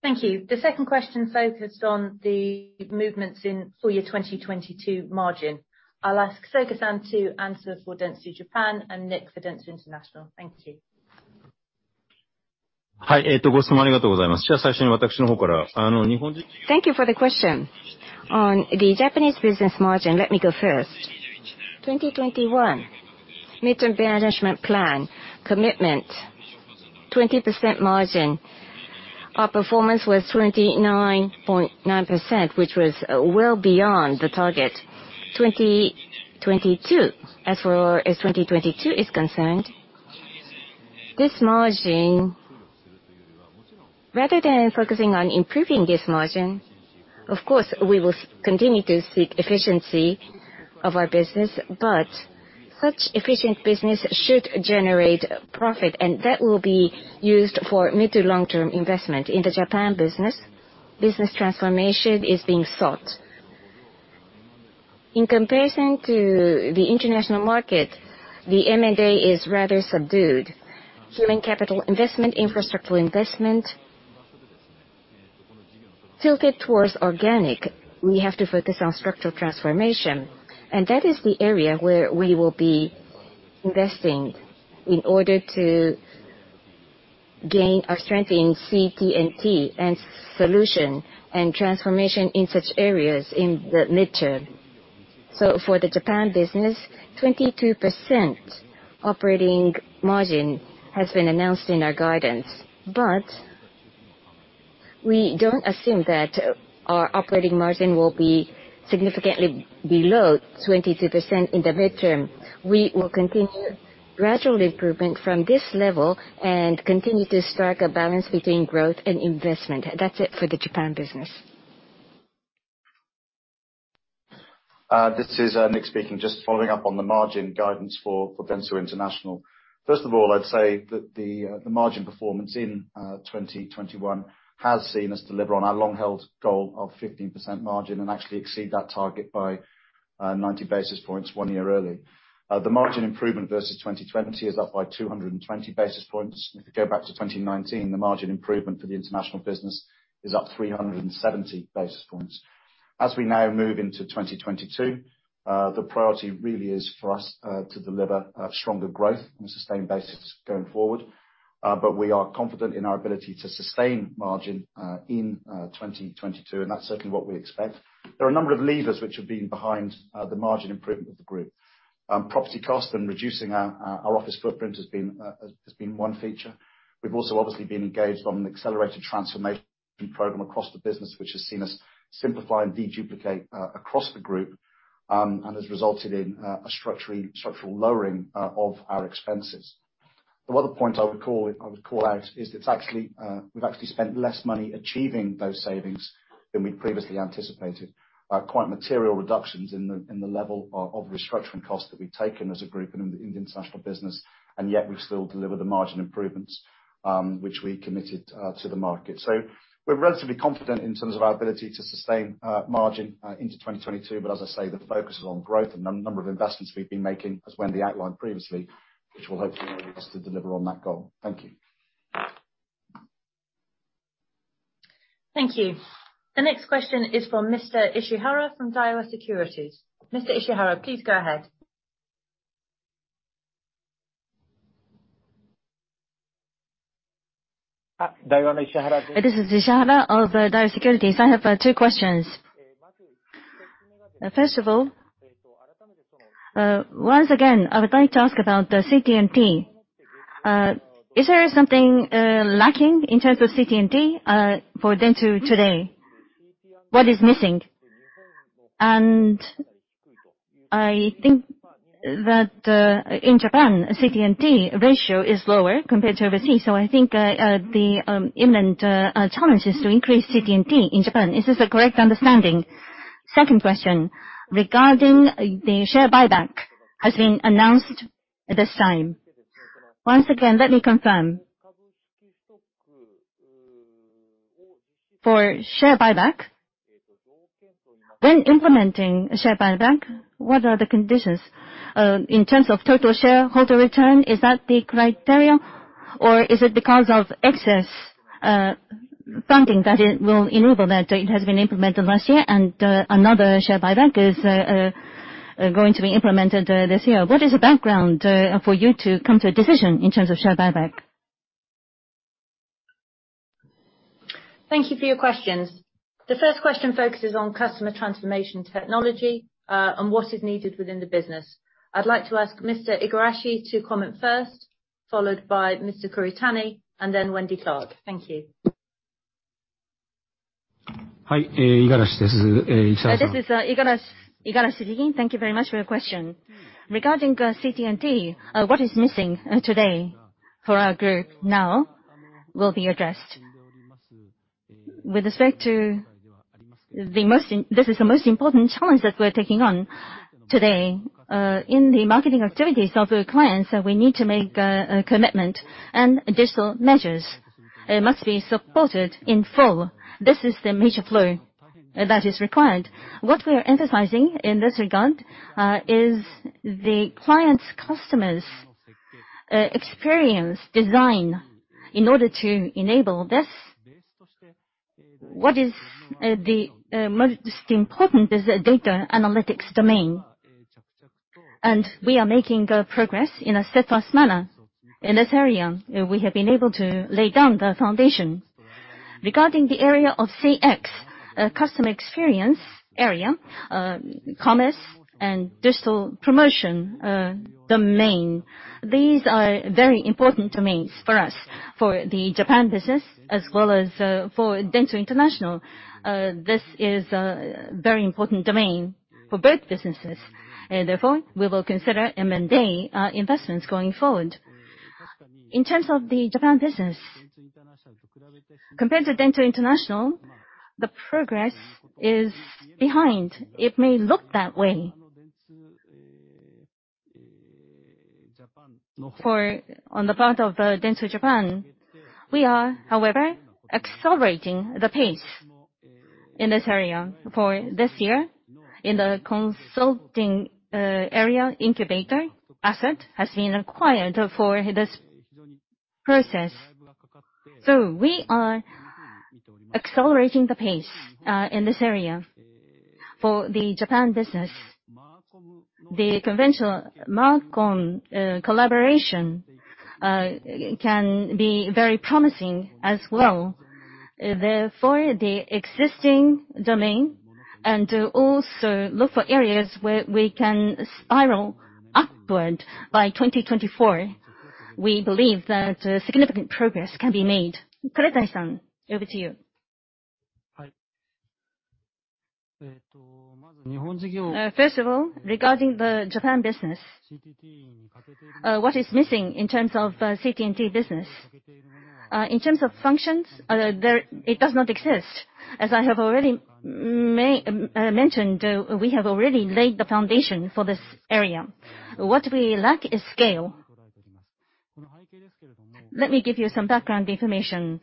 Thank you. The second question focused on the movements in full year 2022 margin. I'll ask Soga-san to answer for Dentsu Japan and Nick for Dentsu International. Thank you. Thank you for the question. On the Japanese business margin, let me go first. 2021 midterm management plan commitment, 20% margin. Our performance was 29.9%, which was well beyond the target. 2022, as for 2022 is concerned, this margin, rather than focusing on improving this margin, of course we will continue to seek efficiency of our business. Such efficient business should generate profit, and that will be used for mid- to long-term investment. In the Japan business transformation is being sought. In comparison to the International market, the M&A is rather subdued. Human capital investment, infrastructure investment tilted towards organic. We have to focus on structural transformation, and that is the area where we will be investing in order to gain our strength in CT&T and solution and transformation in such areas in the mid-term. For the Japan business, 22% operating margin has been announced in our guidance. We don't assume that our operating margin will be significantly below 22% in the mid-term. We will continue gradual improvement from this level and continue to strike a balance between growth and investment. That's it for the Japan business. This is Nick speaking. Just following up on the margin guidance for Dentsu International. First of all, I'd say that the margin performance in 2021 has seen us deliver on our long-held goal of 15% margin and actually exceed that target by 90 basis points one year early. The margin improvement versus 2020 is up by 220 basis points. If you go back to 2019, the margin improvement for the International business is up 370 basis points. As we now move into 2022, the priority really is for us to deliver stronger growth on a sustained basis going forward. We are confident in our ability to sustain margin in 2022, and that's certainly what we expect. There are a number of levers which have been behind the margin improvement of the group. Property cost and reducing our office footprint has been one feature. We've also obviously been engaged on an accelerated transformation program across the business, which has seen us simplify and de-duplicate across the group, and has resulted in a structural lowering of our expenses. The other point I would call out is that actually we've actually spent less money achieving those savings than we'd previously anticipated. Quite material reductions in the level of restructuring costs that we've taken as a group and in the international business, and yet we've still delivered the margin improvements, which we committed to the market. We're relatively confident in terms of our ability to sustain margin into 2022. As I say, the focus is on growth and number of investments we've been making, as Wendy outlined previously, which will hopefully enable us to deliver on that goal. Thank you. Thank you. The next question is from Mr. Ishihara from Daiwa Securities. Mr. Ishihara, please go ahead. This is Ishihara of Daiwa Securities. I have two questions. First of all, once again, I would like to ask about the CT&T. Is there something lacking in terms of CT&T for Dentsu today? What is missing? I think that in Japan, CT&T ratio is lower compared to overseas. I think the imminent challenge is to increase CT&T in Japan. Is this a correct understanding? Second question, regarding the share buyback that has been announced at this time. Once again, let me confirm. For share buyback, when implementing share buyback, what are the conditions? In terms of total shareholder return, is that the criteria? Is it because of excess funding that it will enable that it has been implemented last year and another share buyback is going to be implemented this year? What is the background for you to come to a decision in terms of share buyback? Thank you for your questions. The first question focuses on customer transformation technology, and what is needed within the business. I'd like to ask Mr. Igarashi to comment first, followed by Mr. Kuretani, and then Wendy Clark. Thank you. This is Igarashi. Thank you very much for your question. Regarding CT&T, what is missing today for our group now will be addressed. With respect to this is the most important challenge that we're taking on today, in the marketing activities of our clients, so we need to make a commitment, and digital measures must be supported in full. This is the major flow that is required. What we are emphasizing in this regard is the client's customers experience design in order to enable this. What is the most important is the data analytics domain, and we are making progress in a steadfast manner in this area. We have been able to lay down the foundation. Regarding the area of CX, customer experience area, commerce and digital promotion domain. These are very important domains for us, for the Japan business as well as, for Dentsu International. This is a very important domain for both businesses. Therefore, we will consider M&A investments going forward. In terms of the Japan business, compared to Dentsu International, the progress is behind. It may look that way. For on the part of Dentsu Japan, we are, however, accelerating the pace in this area for this year in the consulting, area Dream Incubator asset has been acquired for this process. So we are accelerating the pace, in this area for the Japan business. The conventional Marcom, collaboration, can be very promising as well. Therefore, the existing domain and also look for areas where we can spiral upward by 2024, we believe that significant progress can be made. Kuretani-san, over to you. Hi. First of all, regarding the Japan business, what is missing in terms of CT&T business? In terms of functions, it does not exist. As I have already mentioned, we have already laid the foundation for this area. What we lack is scale. Let me give you some background information.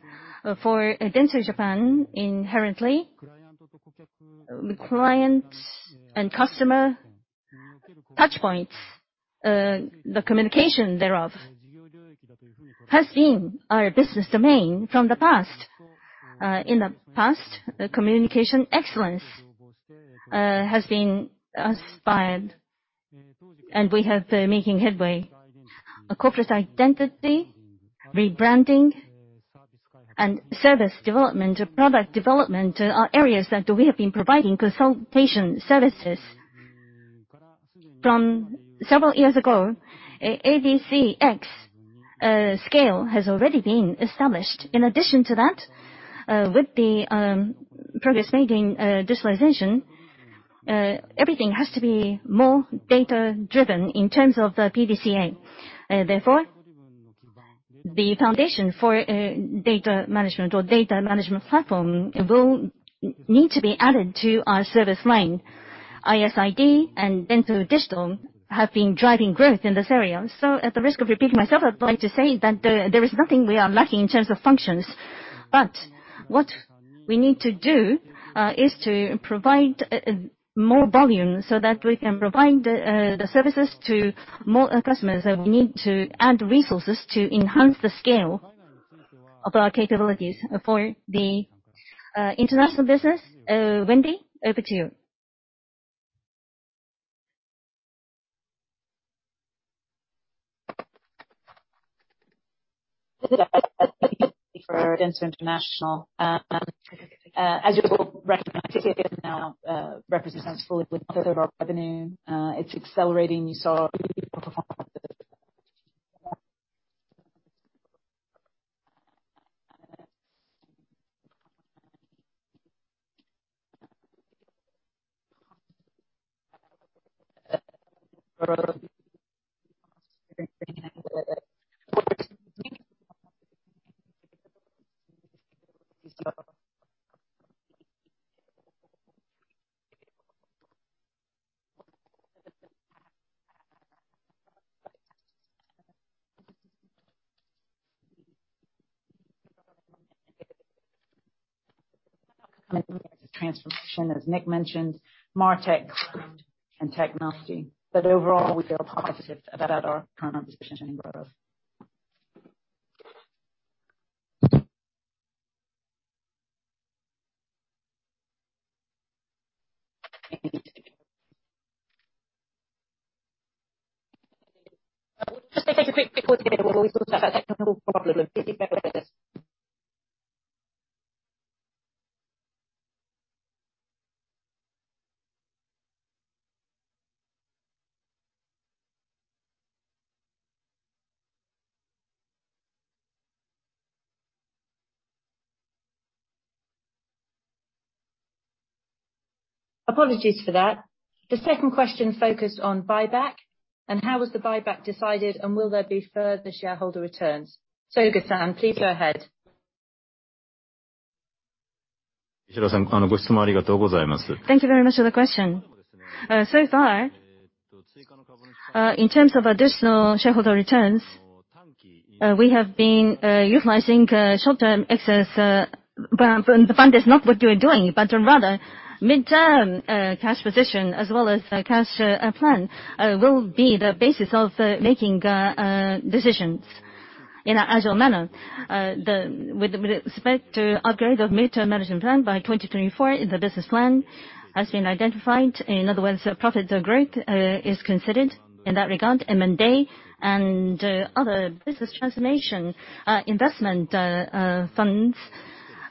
For Dentsu Japan, inherently, the client and customer touchpoints, the communication thereof, has been our business domain from the past. In the past, communication excellence has been aspired, and we have been making headway. Corporate identity, rebranding, and service development, or product development, are areas that we have been providing consultation services. From several years ago, ABX scale has already been established. In addition to that, with the progress made in digitalization, everything has to be more data-driven in terms of the PDCA. Therefore, the foundation for data management or data management platform will need to be added to our service line. ISID and Dentsu Digital have been driving growth in this area. At the risk of repeating myself, I'd like to say that there is nothing we are lacking in terms of functions. What we need to do is to provide more volume so that we can provide the services to more customers. We need to add resources to enhance the scale of our capabilities. For the International business, Wendy, over to you. For Dentsu International, as you all recognize, now represents fully within total revenue. It’s accelerating. You saw transformation, as Nick mentioned, MarTech and technology. Overall, we feel positive about our current position in growth. Just let’s take a quick break while we sort out that technical problem. Please bear with us. Apologies for that. The second question focused on buyback and how was the buyback decided, and will there be further shareholder returns? Soga-san, please go ahead. Thank you very much for the question. So far, in terms of additional shareholder returns, we have been utilizing short-term excess from the fund. That's not what we're doing, but rather mid-term cash position as well as cash plan will be the basis of making decisions in an agile manner. With respect to upgrade of mid-term management plan by 2024, the business plan has been identified. In other words, profit growth is considered in that regard. M&A and other business transformation investment funds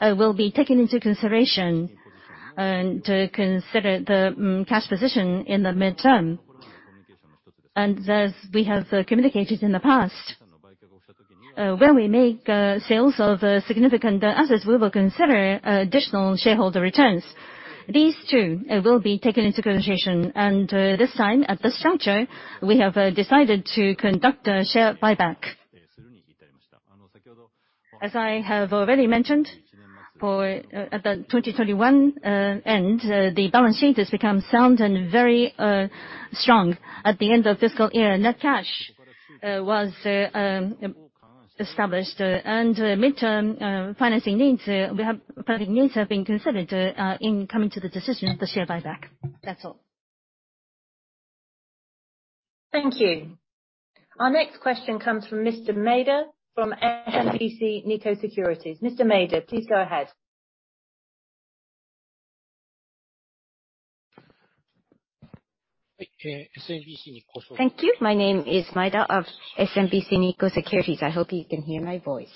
will be taken into consideration and to consider the cash position in the mid-term. As we have communicated in the past, when we make sales of significant assets, we will consider additional shareholder returns. These two will be taken into consideration. This time, at this structure, we have decided to conduct a share buyback. As I have already mentioned, at the end of 2021, the balance sheet has become sound and very strong. At the end of fiscal year, net cash was established. Mid-term financing needs have been considered in coming to the decision of the share buyback. That's all. Thank you. Our next question comes from Mr. Maeda from SMBC Nikko Securities. Mr. Maeda, please go ahead. Thank you. My name is Maeda of SMBC Nikko Securities. I hope you can hear my voice.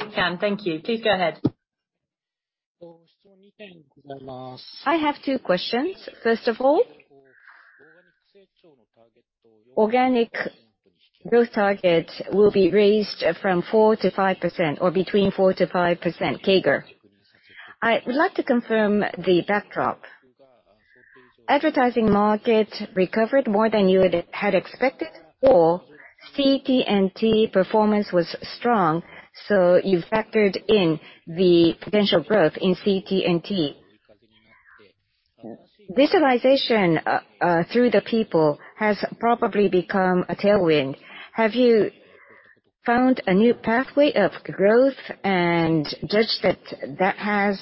We can. Thank you. Please go ahead. I have two questions. First of all, organic growth target will be raised from 4%-5% or between 4%-5% CAGR. I would like to confirm the backdrop. Advertising market recovered more than you had expected or CT&T performance was strong, so you factored in the potential growth in CT&T. Digitalization through the people has probably become a tailwind. Have you found a new pathway of growth and judged that that has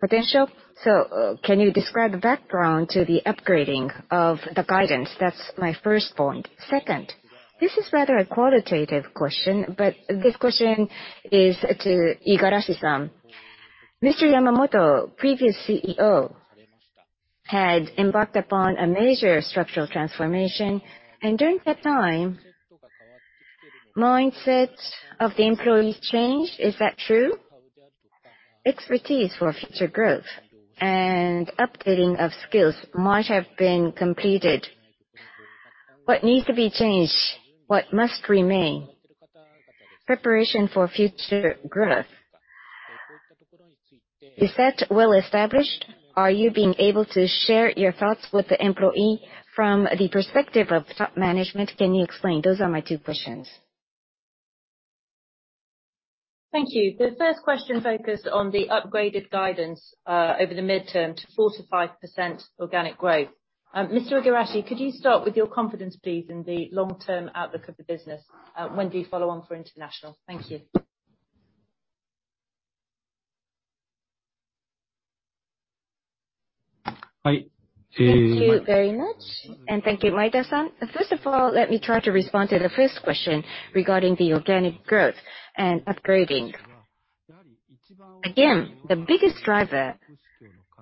potential? So can you describe the background to the upgrading of the guidance? That's my first point. Second, this is rather a qualitative question, but this question is to Igarashi-san. Yamamoto, previous CEO, had embarked upon a major structural transformation, and during that time, mindsets of the employees changed. Is that true? Expertise for future growth and updating of skills might have been completed. What needs to be changed, what must remain? Preparation for future growth, is that well established? Are you being able to share your thoughts with the employee from the perspective of top management? Can you explain? Those are my two questions. Thank you. The first question focused on the upgraded guidance over the mid-term to 4%-5% organic growth. Mr. Igarashi, could you start with your confidence, please, in the long-term outlook of the business? Wendy, follow on for international. Thank you. Thank you very much. Thank you, Maeda-san. First of all, let me try to respond to the first question regarding the organic growth and upgrading. Again, the biggest driver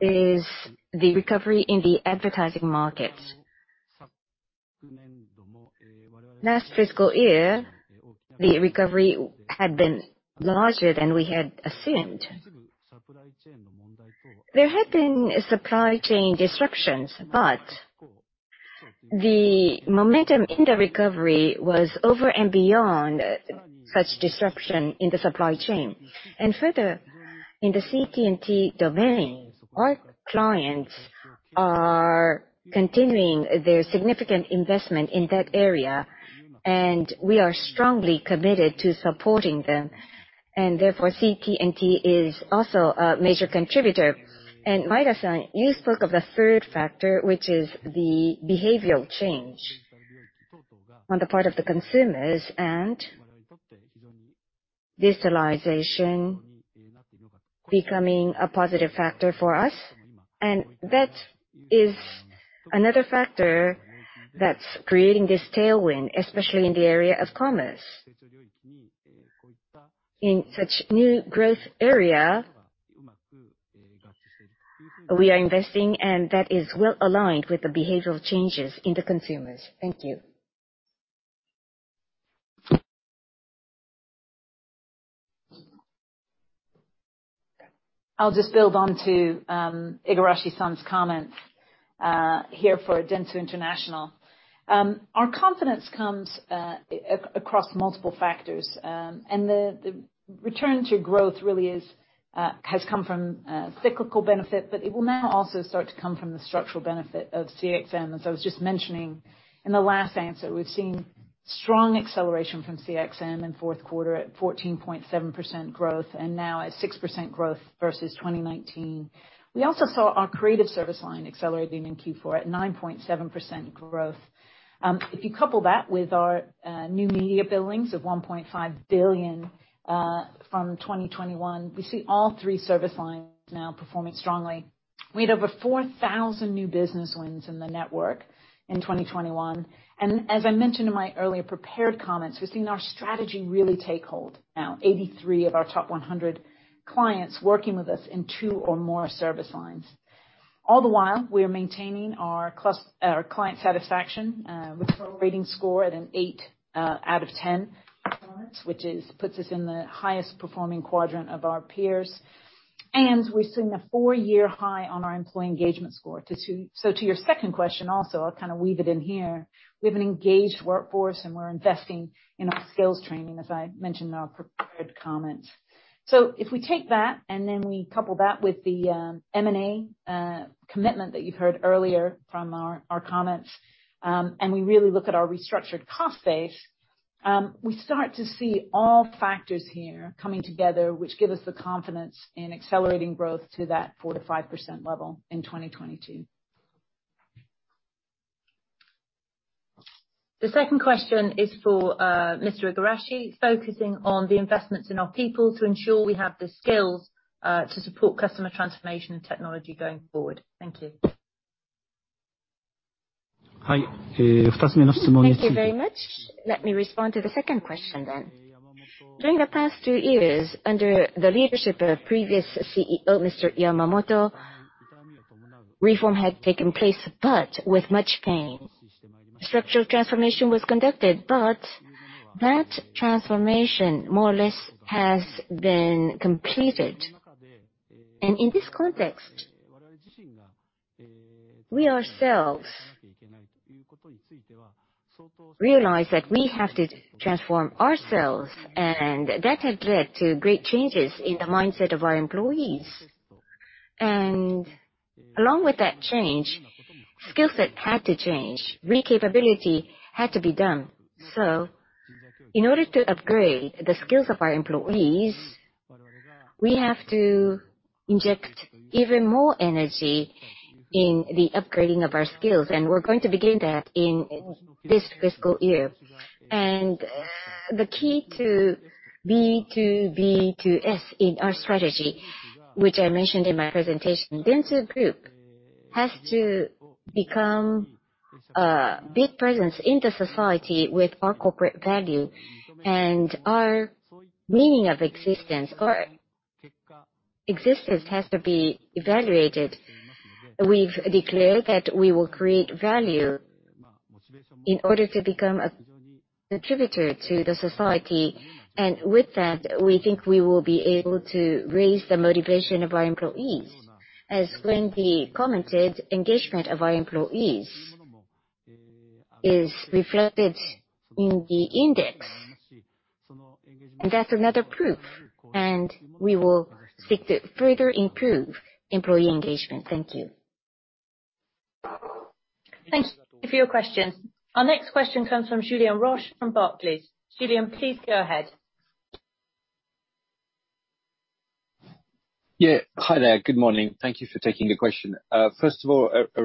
is the recovery in the advertising market. Last fiscal year, the recovery had been larger than we had assumed. There had been supply chain disruptions, but the momentum in the recovery was over and beyond such disruption in the supply chain. Further, in the CT&T domain, our clients are continuing their significant investment in that area, and we are strongly committed to supporting them. Therefore, CT&T is also a major contributor. Maeda-san, you spoke of the third factor, which is the behavioral change on the part of the consumers and digitalization becoming a positive factor for us. That is another factor that's creating this tailwind, especially in the area of commerce. In such new growth area. We are investing, and that is well-aligned with the behavioral changes in the consumers. Thank you. I'll just build on to Igarashi-san's comments here for Dentsu International. Our confidence comes across multiple factors. The return to growth has come from cyclical benefit, but it will now also start to come from the structural benefit of CXM, as I was just mentioning in the last answer. We've seen strong acceleration from CXM in fourth quarter at 14.7% growth, and now at 6% growth versus 2019. We also saw our creative service line accelerating in Q4 at 9.7% growth. If you couple that with our new media billings of $1.5 billion from 2021, we see all three service lines now performing strongly. We had over 4,000 new business wins in the network in 2021. As I mentioned in my earlier prepared comments, we're seeing our strategy really take hold now. 83 of our top 100 clients working with us in two or more service lines. All the while, we are maintaining our client satisfaction with total rating score at an eight out of ten, which puts us in the highest performing quadrant of our peers. We're seeing a four-year high on our employee engagement score. So to your second question, also, I'll kinda weave it in here. We have an engaged workforce, and we're investing in our skills training, as I mentioned in our prepared comments. If we take that and then we couple that with the M&A commitment that you've heard earlier from our comments, and we really look at our restructured cost base, we start to see all factors here coming together which give us the confidence in accelerating growth to that 4%-5% level in 2022. The second question is for Mr. Igarashi, focusing on the investments in our people to ensure we have the skills to support customer transformation and technology going forward. Thank you. Thank you very much. Let me respond to the second question then. During the past two years, under the leadership of previous CEO, Mr. Yamamoto, reform had taken place, but with much pain. Structural transformation was conducted, but that transformation, more or less, has been completed. In this context, we ourselves realize that we have to transform ourselves, and that had led to great changes in the mindset of our employees. Along with that change, skill set had to change. Re-capability had to be done. In order to upgrade the skills of our employees, we have to inject even more energy in the upgrading of our skills, and we're going to begin that in this fiscal year. The key to B2B2S in our strategy, which I mentioned in my presentation, Dentsu Group has to become a big presence in the society with our corporate value and our meaning of existence. Our existence has to be evaluated. We've declared that we will create value in order to become a contributor to the society, and with that, we think we will be able to raise the motivation of our employees, as Wendy commented. Engagement of our employees is reflected in the index. That's another proof, and we will seek to further improve employee engagement. Thank you. Thank you for your question. Our next question comes from Julien Roch from Barclays. Julien, please go ahead. Hi there. Good morning. Thank you for taking the question. First of all, a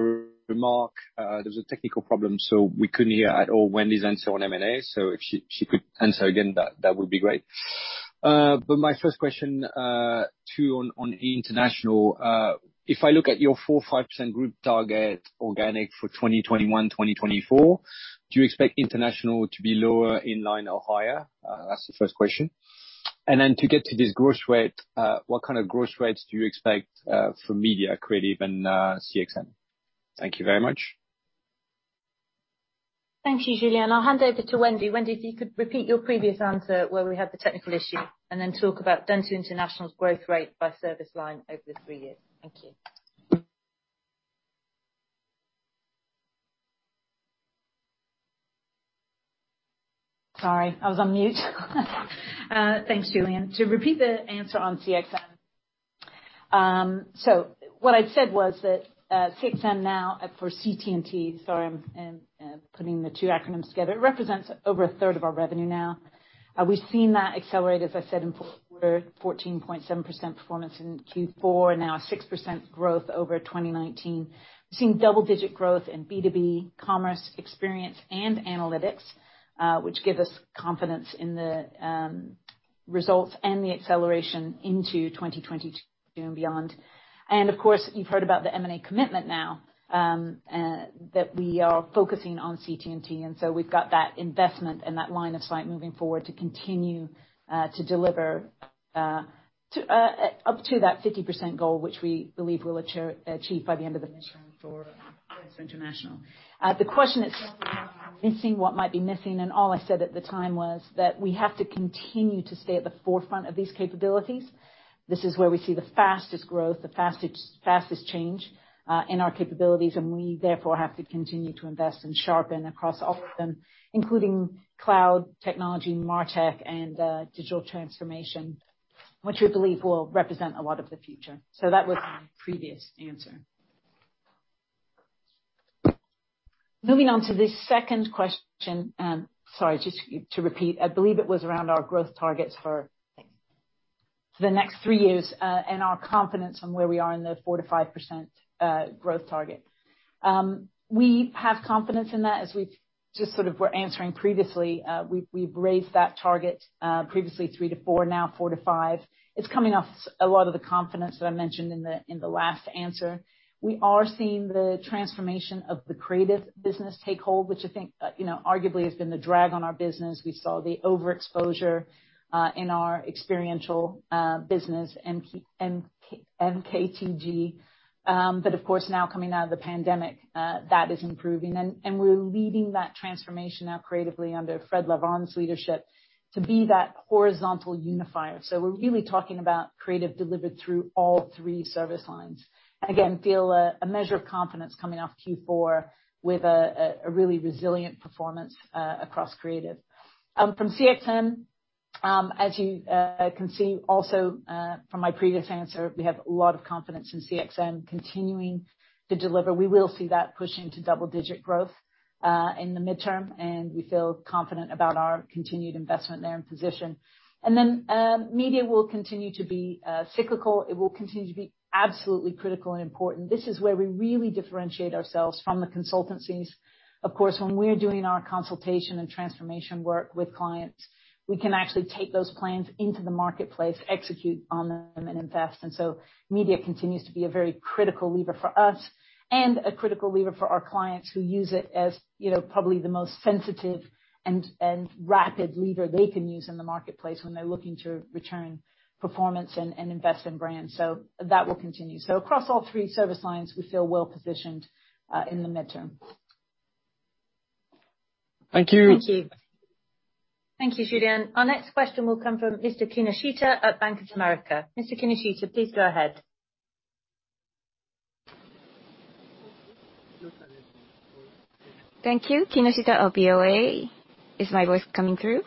remark. There was a technical problem, so we couldn't hear at all Wendy's answer on M&A. If she could answer again, that would be great. My first question on international. If I look at your 4.5% group target organic for 2021-2024, do you expect international to be lower, in line, or higher? That's the first question. Then to get to this growth rate, what kind of growth rates do you expect from media, creative, and CXM? Thank you very much. Thank you, Julien. I'll hand over to Wendy. Wendy, if you could repeat your previous answer where we had the technical issue, and then talk about Dentsu International's growth rate by service line over the three years. Thank you. Sorry, I was on mute. Thanks, Julien. To repeat the answer on CXM. So what I'd said was that CXM now for CT&T. Sorry, I'm putting the two acronyms together. It represents over a third of our revenue now. We've seen that accelerate, as I said, 14.7% performance in Q4. Now 6% growth over 2019. We're seeing double-digit growth in B2B, commerce, experience, and analytics, which give us confidence in the results and the acceleration into 2022 and beyond. Of course, you've heard about the M&A commitment now that we are focusing on CT&T, and so we've got that investment and that line of sight moving forward to continue up to that 50% goal, which we believe we'll achieve by the end of the mission for Dentsu International. The question itself Missing what might be missing, all I said at the time was that we have to continue to stay at the forefront of these capabilities. This is where we see the fastest growth, the fastest change in our capabilities, and we therefore have to continue to invest and sharpen across all of them, including cloud technology, MarTech, and Digital Transformation, which we believe will represent a lot of the future. That was my previous answer. Moving on to the second question, sorry, just to repeat, I believe it was around our growth targets for the next three years and our confidence on where we are in the 4%-5% growth target. We have confidence in that as we just sort of were answering previously. We've raised that target, previously $3 billion-$4 billion, now $4 billion-$5 billion. It's coming off a lot of the confidence that I mentioned in the last answer. We are seeing the transformation of the creative business take hold, which I think, you know, arguably has been the drag on our business. We saw the overexposure in our experiential business MKTG. Of course, now coming out of the pandemic, that is improving. We're leading that transformation now creatively under Fred Levron's leadership to be that horizontal unifier. We're really talking about creative delivered through all three service lines. We again feel a measure of confidence coming off Q4 with a really resilient performance across creative. From CXM, as you can see also from my previous answer, we have a lot of confidence in CXM continuing to deliver. We will see that pushing to double-digit growth in the mid-term, and we feel confident about our continued investment there and position. Media will continue to be cyclical. It will continue to be absolutely critical and important. This is where we really differentiate ourselves from the consultancies. Of course, when we're doing our consultation and transformation work with clients, we can actually take those plans into the marketplace, execute on them, and invest. Media continues to be a very critical lever for us and a critical lever for our clients who use it as, you know, probably the most sensitive and rapid lever they can use in the marketplace when they're looking to return performance and invest in brands. That will continue. Across all three service lines, we feel well-positioned in the mid-term. Thank you. Thank you. Thank you, Julien. Our next question will come from Mr. Kinoshita at Bank of America. Mr. Kinoshita, please go ahead. Than you. Kinoshita of BOA. Is my voice coming through?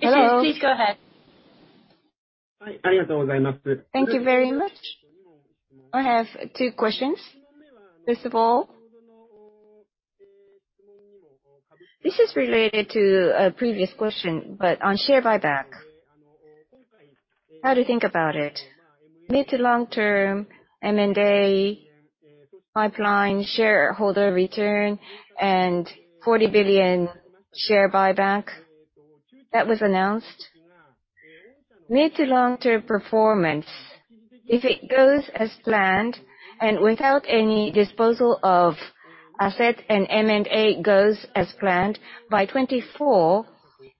Hello. Yes, sir. Please go ahead. Than k you very much. I have two questions. First of all, this is related to a previous question, but on share buyback, how do you think about it? Mid- to long-term M&A pipeline shareholder return and 40 billion share buyback that was announced. Mid- to long-term performance, if it goes as planned and without any disposal of asset and M&A goes as planned, by 2024,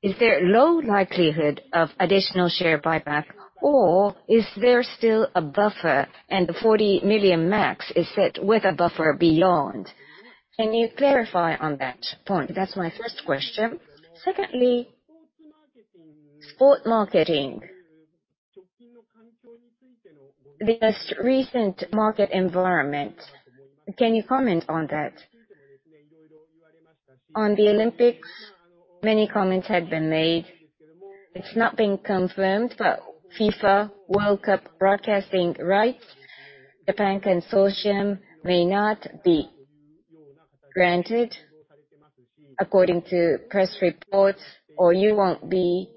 is there low likelihood of additional share buyback or is there still a buffer and the 40 million max is set with a buffer beyond? Can you clarify on that point? That's my first question. Second, sports marketing. This recent market environment, can you comment on that? On the Olympics, many comments had been made. It's not been confirmed, but FIFA World Cup broadcasting rights, the bank consortium may not be granted according to press reports, or you won't be,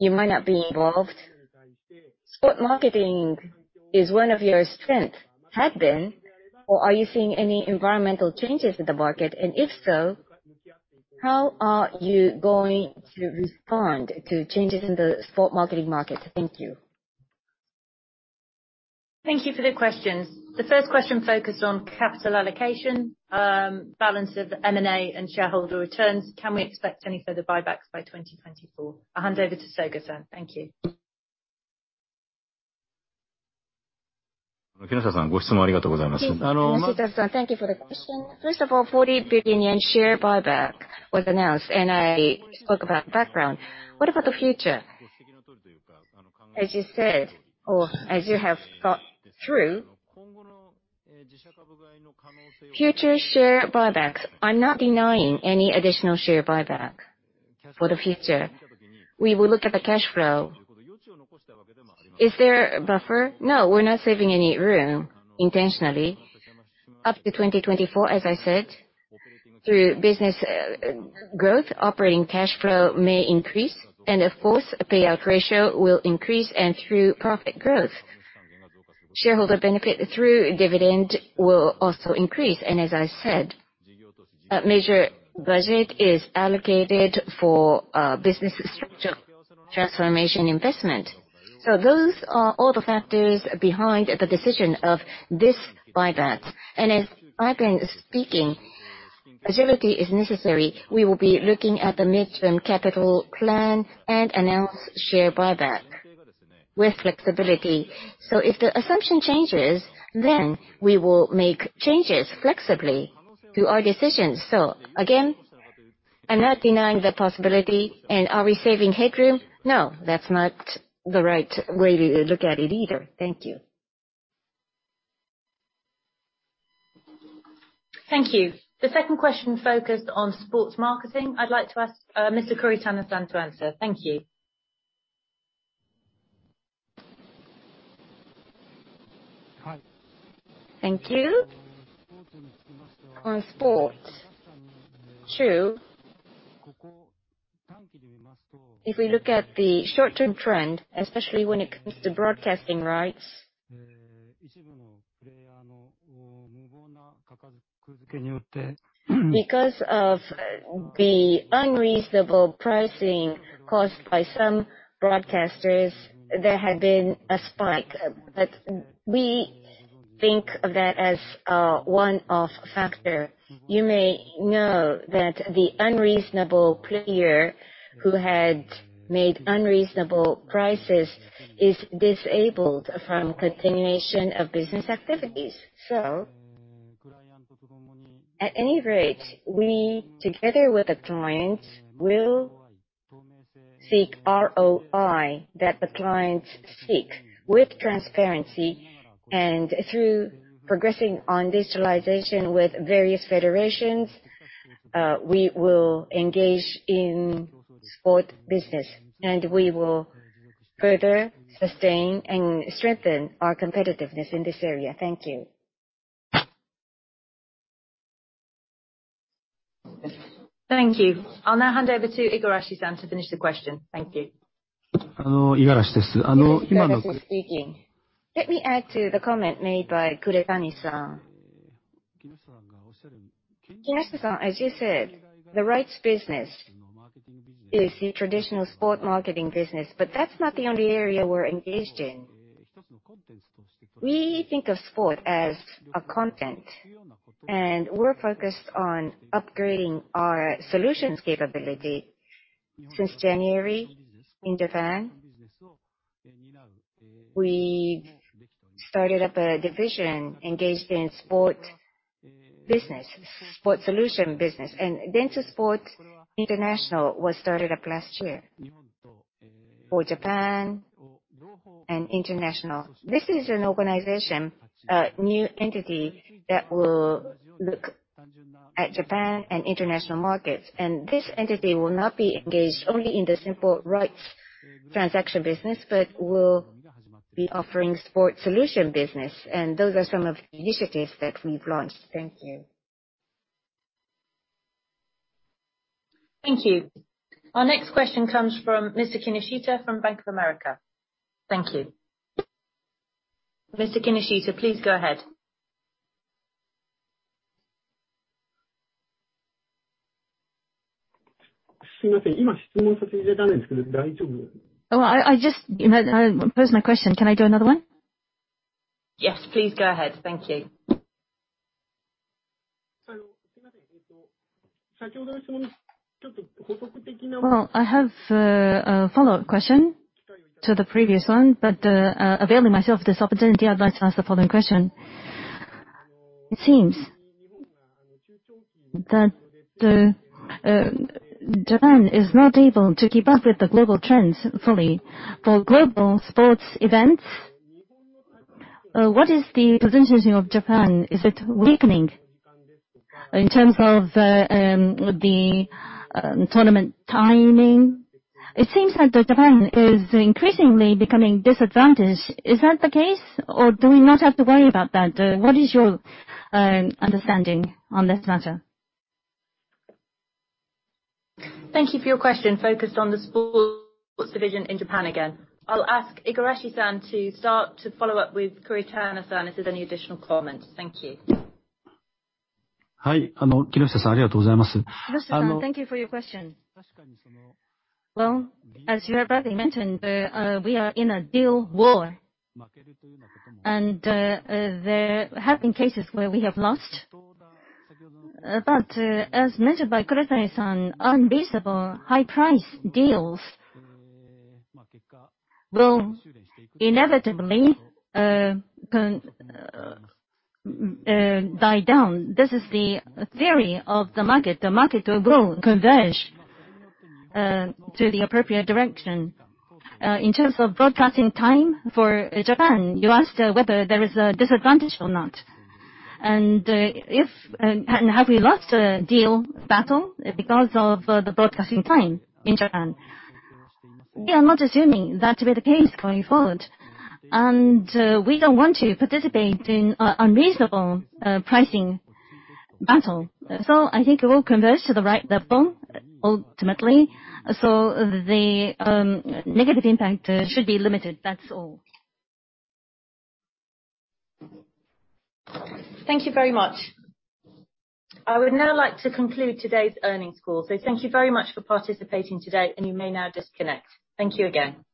you might not be involved. Sports marketing is one of your strengths, had been, or are you seeing any environmental changes in the market? If so, how are you going to respond to changes in the sports marketing market? Thank you. Thank you for the questions. The first question focused on capital allocation, balance of M&A and shareholder returns. Can we expect any further buybacks by 2024? I'll hand over to Soga-san. Thank you. Kinoshita-san, thank you for the question. First of all, 40 billion yen share buyback was announced, and I spoke about background. What about the future? As you said, or as you have thought through, future share buybacks, I'm not denying any additional share buyback for the future. We will look at the cash flow. Is there a buffer? No, we're not saving any room intentionally. Up to 2024, as I said, through business growth, operating cash flow may increase and of course a payout ratio will increase and through profit growth. Shareholder benefit through dividend will also increase. As I said, a major budget is allocated for business structure transformation investment. Those are all the factors behind the decision of this buyback. As I've been speaking, agility is necessary. We will be looking at the midterm capital plan and announce share buyback. With flexibility. If the assumption changes, then we will make changes flexibly to our decisions. Again, I'm not denying the possibility. Are we saving headroom? No, that's not the right way to look at it either. Thank you. Thank you. The second question focused on sports marketing. I'd like to ask Mr. Kuretani to answer. Thank you. Thank you. On sports, too, if we look at the short-term trend, especially when it comes to broadcasting rights, because of the unreasonable pricing caused by some broadcasters, there had been a spike, but we think of that as a one-off factor. You may know that the unreasonable player who had made unreasonable prices is disabled from continuation of business activities. At any rate, we together with the clients, will seek ROI that the clients seek with transparency and through progressing on digitalization with various federations, we will engage in sports business, and we will further sustain and strengthen our competitiveness in this area. Thank you. Thank you. I'll now hand over to Igarashi-san to finish the question. Thank you. Igarashi speaking. Let me add to the comment made by Kuretani-san. Kinoshita, as you said, the rights business is the traditional sports marketing business, but that's not the only area we're engaged in. We think of sports as a content, and we're focused on upgrading our solutions capability. Since January in Japan, we started up a division engaged in sports business, sports solution business, and Dentsu Sports International was started up last year for Japan and international. This is an organization, a new entity, that will look at Japan and international markets. This entity will not be engaged only in the simple rights transaction business, but will be offering sports solution business. Those are some of the initiatives that we've launched. Thank you. Thank you. Our next question comes from Mr. Kinoshita from Bank of America. Thank you. Mr. Kinoshita, please go ahead. Oh, I just posed my question. Can I do another one? Yes, please go ahead. Thank you. Well, I have a follow-up question to the previous one, but availing myself of this opportunity, I'd like to ask the following question. It seems that Japan is not able to keep up with the global trends fully for global sports events. What is the positioning of Japan? Is it weakening in terms of the tournament timing? It seems that Japan is increasingly becoming disadvantaged. Is that the case, or do we not have to worry about that? What is your understanding on this matter? Thank you for your question focused on the sports division in Japan again. I'll ask Igarashi-san to start to follow up with Kuretani-san if there's any additional comments. Thank you. Mr. Kinoshita-san, thank you for your question. Well, as you have rightly mentioned, we are in a deal war, and there have been cases where we have lost. As mentioned by Kuretani-san, unreasonable high price deals will inevitably die down. This is the theory of the market. The market will converge to the appropriate direction. In terms of broadcasting time for Japan, you asked whether there is a disadvantage or not, and if we have lost a deal battle because of the broadcasting time in Japan. We are not assuming that to be the case going forward, and we don't want to participate in unreasonable pricing battle. I think it will converge to the right level ultimately. The negative impact should be limited. That's all. Thank you very much. I would now like to conclude today's earnings call. Thank you very much for participating today, and you may now disconnect. Thank you again.